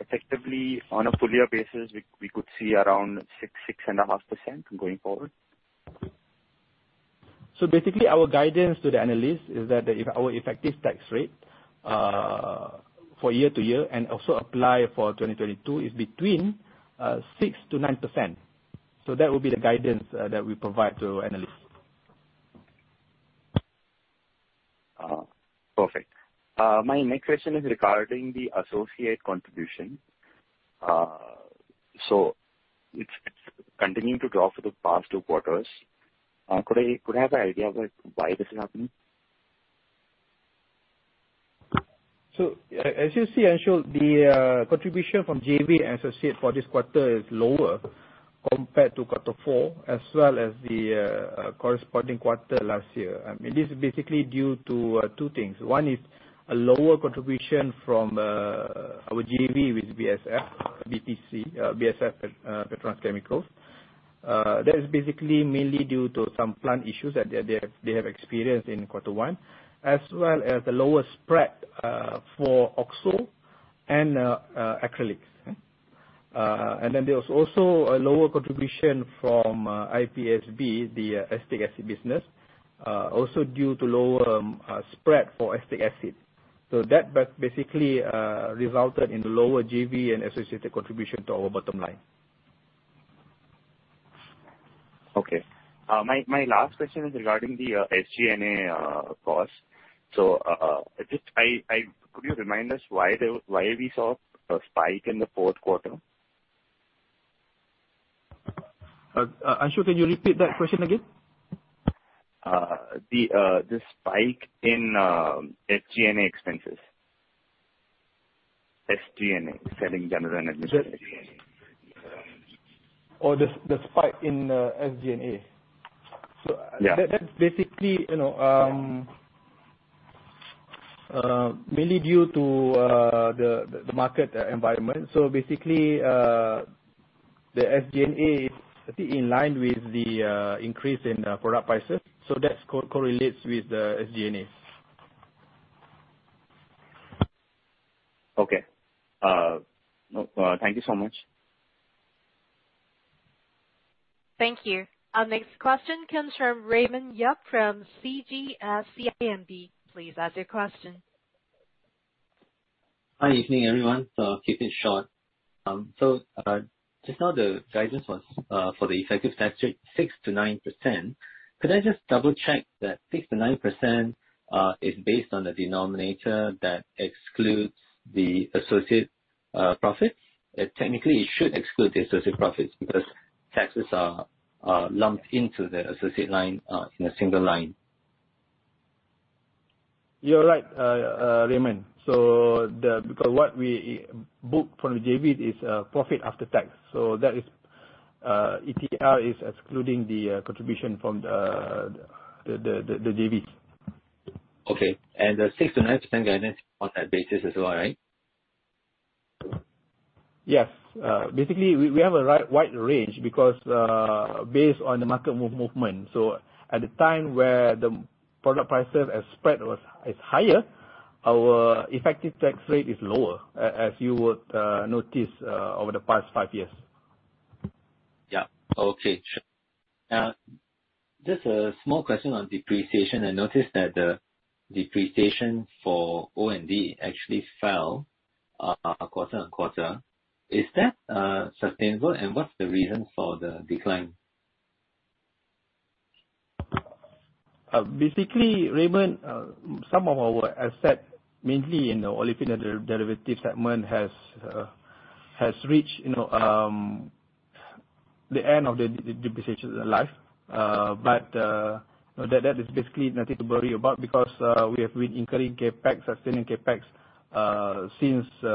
K: Effectively, on a full year basis, we could see around 6%-6.5% going forward?
D: Basically our guidance to the analyst is that if our effective tax rate for year-over-year and also applies for 2022 is between 6%-9%. That would be the guidance that we provide to analysts.
K: Perfect. My next question is regarding the associate contribution. It's continuing to drop for the past two quarters. Could I have an idea about why this is happening?
D: As you see, Anshu, the contribution from JV associates for this quarter is lower compared to quarter four as well as the corresponding quarter last year. It is basically due to two things. One is a lower contribution from our JV with BASF, BPC, BASF PETRONAS Chemicals. That is basically mainly due to some plant issues that they have experienced in quarter one, as well as the lower spread for OXO and acrylics. And then there was also a lower contribution from IPASB, the acetic acid business, also due to lower spread for acetic acid. That basically resulted in the lower JV and associated contribution to our bottom line.
K: Okay. My last question is regarding the SG&A cost. Could you remind us why we saw a spike in the fourth quarter?
D: Anshu, can you repeat that question again?
K: The spike in SG&A expenses. SG&A, selling general and administrative.
D: Oh, the spike in SG&A?
K: Yeah.
D: That's basically, you know, mainly due to the market environment. Basically, the SG&A is in line with the increase in product prices. That correlates with the SG&A.
K: Okay. No, thank you so much.
A: Thank you. Our next question comes from Raymond Yap from CGS-CIMB at CIMB. Please ask your question.
L: Hi, good evening, everyone. I'll keep it short. Just now the guidance was for the effective tax rate 6%-9%. Could I just double check that 6%-9% is based on the denominator that excludes the associate profit? Technically it should exclude the associate profits because taxes are lumped into the associate line in a single line.
D: You're right, Raymond. Because what we book from the JV is profit after tax. That is, ETL is excluding the contribution from the JVs.
L: Okay. The 6%-9% guidance on that basis as well, right?
D: Yes. Basically we have a wide range because, based on the market movement. At the time where the product prices and spread is higher, our effective tax rate is lower, as you would notice over the past five years.
L: Yeah. Okay. Sure. Just a small question on depreciation. I noticed that the depreciation for O&D actually fell quarter-on-quarter. Is that sustainable? What's the reason for the decline?
D: Basically, Raymond, some of our asset, mainly in the olefins & derivatives segment, has reached, you know, the end of the depreciation life. That is basically nothing to worry about because we have been incurring CapEx, sustaining CapEx, since, you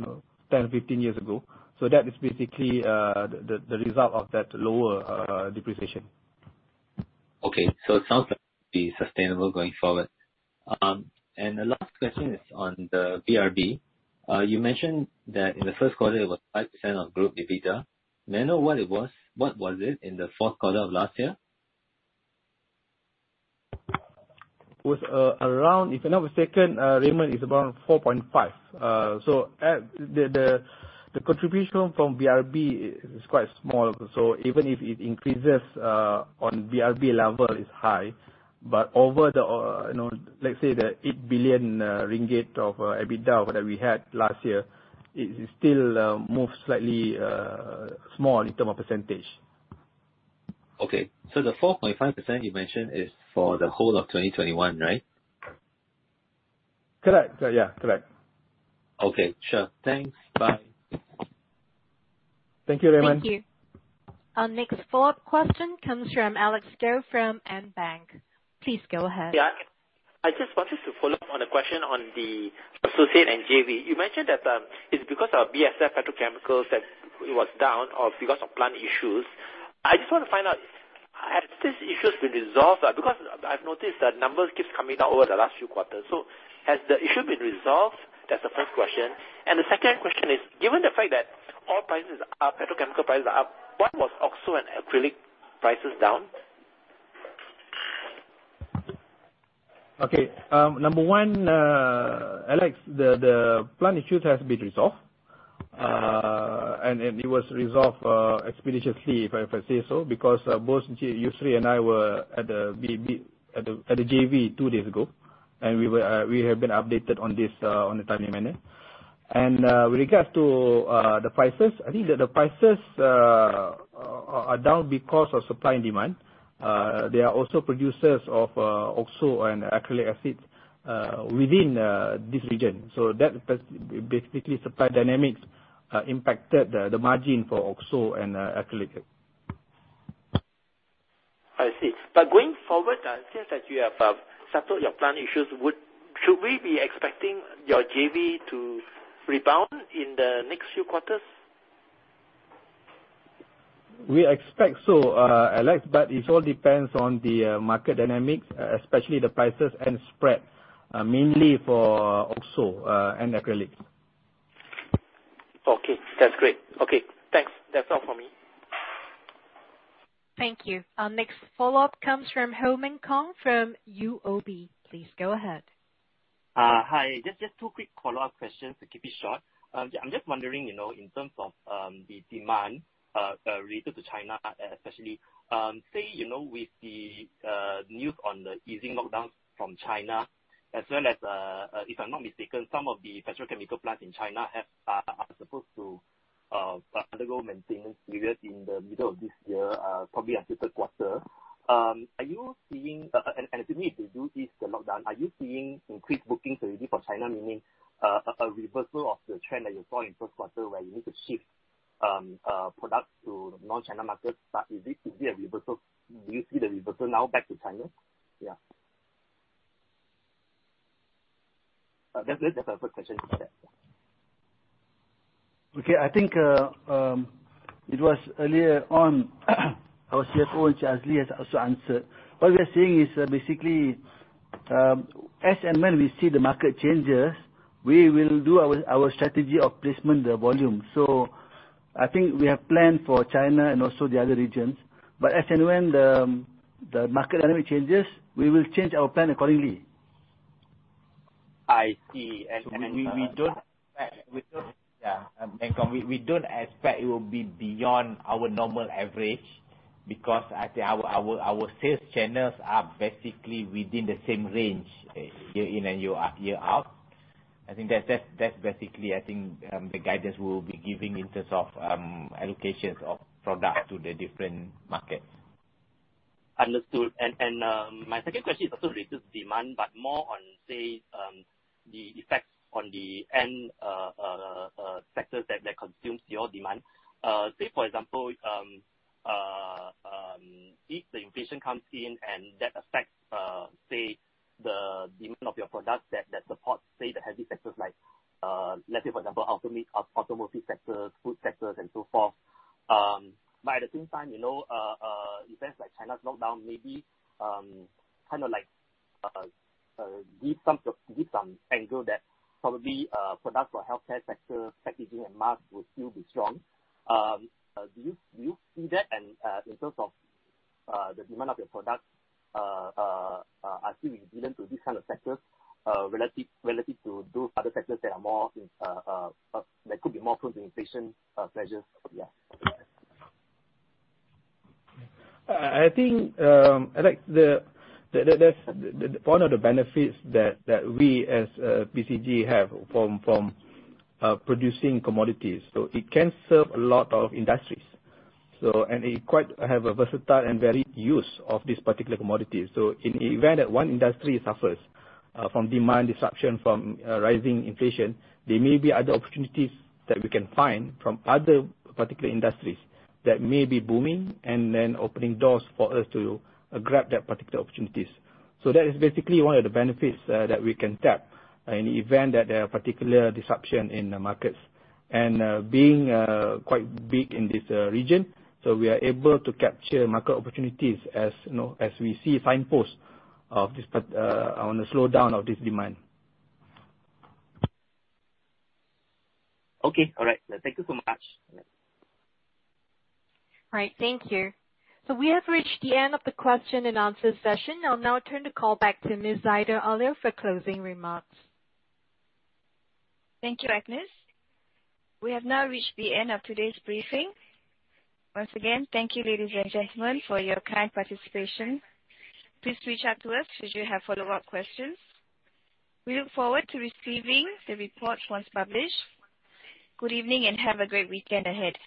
D: know, 10, 15 years ago. That is basically the result of that lower depreciation.
L: Okay. It sounds like it will be sustainable going forward. The last question is on the BRB. You mentioned that in the first quarter it was 5% of group EBITDA. May I know what it was in the fourth quarter of last year?
D: Was around, if I'm not mistaken, Raymond, it's around 4.5%. The contribution from BRB is quite small. Even if it increases, on BRB level is high, but over the, you know, let's say the 8 billion ringgit of EBITDA that we had last year, it is still more slightly small in terms of percentage.
L: Okay. The 4.5% you mentioned is for the whole of 2021, right?
D: Correct. Yeah. Correct.
L: Okay. Sure. Thanks. Bye.
D: Thank you, Raymond.
A: Thank you. Our next follow-up question comes from Alex Goh, from AmBank. Please go ahead.
G: Yeah. I just wanted to follow up on a question on the associate and JV. You mentioned that, it's because our BASF petrochemicals that it was down or because of plant issues. I just want to find out, have these issues been resolved? Because I've noticed the numbers keeps coming down over the last few quarters. Has the issue been resolved? That's the first question. The second question is, given the fact that oil prices are up, petrochemical prices are up, why was OXO and acrylics prices down?
D: Okay. Number one, Alex, the plant issues has been resolved. It was resolved expeditiously, if I say so, because both Yusri and I were at the JV two days ago, and we have been updated on this on a timely manner. With regards to the prices, I think that the prices are down because of supply and demand. They are also producers of OXO and acrylic acid within this region. That has basically supply dynamics impacted the margin for OXO and acrylic.
G: I see. Going forward, since that you have settled your plant issues, should we be expecting your JV to rebound in the next few quarters?
D: We expect so, Alex, but it all depends on the market dynamics, especially the prices and spread, mainly for OXO and acrylics.
G: Okay. That's great. Okay, thanks. That's all for me.
A: Thank you. Our next follow-up comes from Ho Meng Kong from UOB. Please go ahead.
H: Hi. Just two quick follow-up questions to keep it short. I'm just wondering, you know, in terms of the demand related to China especially, say, you know, with the news on the easing lockdowns from China as well as, if I'm not mistaken, some of the petrochemical plants in China are supposed to undergo maintenance period in the middle of this year, probably until third quarter. Assuming if they do ease the lockdown, are you seeing increased bookings already for China, meaning a reversal of the trend that you saw in first quarter where you need to shift products to non-China markets, but is it a reversal? Do you see the reversal now back to China? Yeah. That's it. That's my first question for that, yeah.
F: Okay. I think it was earlier on, our CFO, Encik Azli, has also answered. What we are seeing is basically, as and when we see the market changes, we will do our strategy of placing the volume. I think we have planned for China and also the other regions. As and when the market dynamic changes, we will change our plan accordingly.
H: I see.
C: Ho Meng Kong, we don't expect it will be beyond our normal average because I think our sales channels are basically within the same range year in and year out. I think that's basically I think the guidance we'll be giving in terms of allocations of product to the different markets.
H: Understood. My second question is also related to demand, but more on, say, the effects on the end sectors that consumes your demand. Say for example, if the inflation comes in and that affects, say the demand of your products In terms of the demand of your products, are still resilient to these kind of sectors relative to those other sectors that could be more prone to inflation pressures. Yeah.
D: I think, like, that's one of the benefits that we as PCG have from producing commodities. It can serve a lot of industries. It quite have a versatile and varied use of this particular commodity. In event that one industry suffers from demand disruption from rising inflation, there may be other opportunities that we can find from other particular industries that may be booming and then opening doors for us to grab that particular opportunities. That is basically one of the benefits that we can tap in the event that there are particular disruption in the markets. Being quite big in this region, we are able to capture market opportunities as, you know, as we see signpost of this on the slowdown of this demand.
H: Okay. All right. Thank you so much.
A: All right. Thank you. We have reached the end of the question and answer session. I'll now turn the call back to Ms. Zaidah Ali Shaari for closing remarks.
B: Thank you, Agnes. We have now reached the end of today's briefing. Once again, thank you, ladies and gentlemen, for your kind participation. Please reach out to us should you have follow-up questions. We look forward to receiving the report once published. Good evening, and have a great weekend ahead.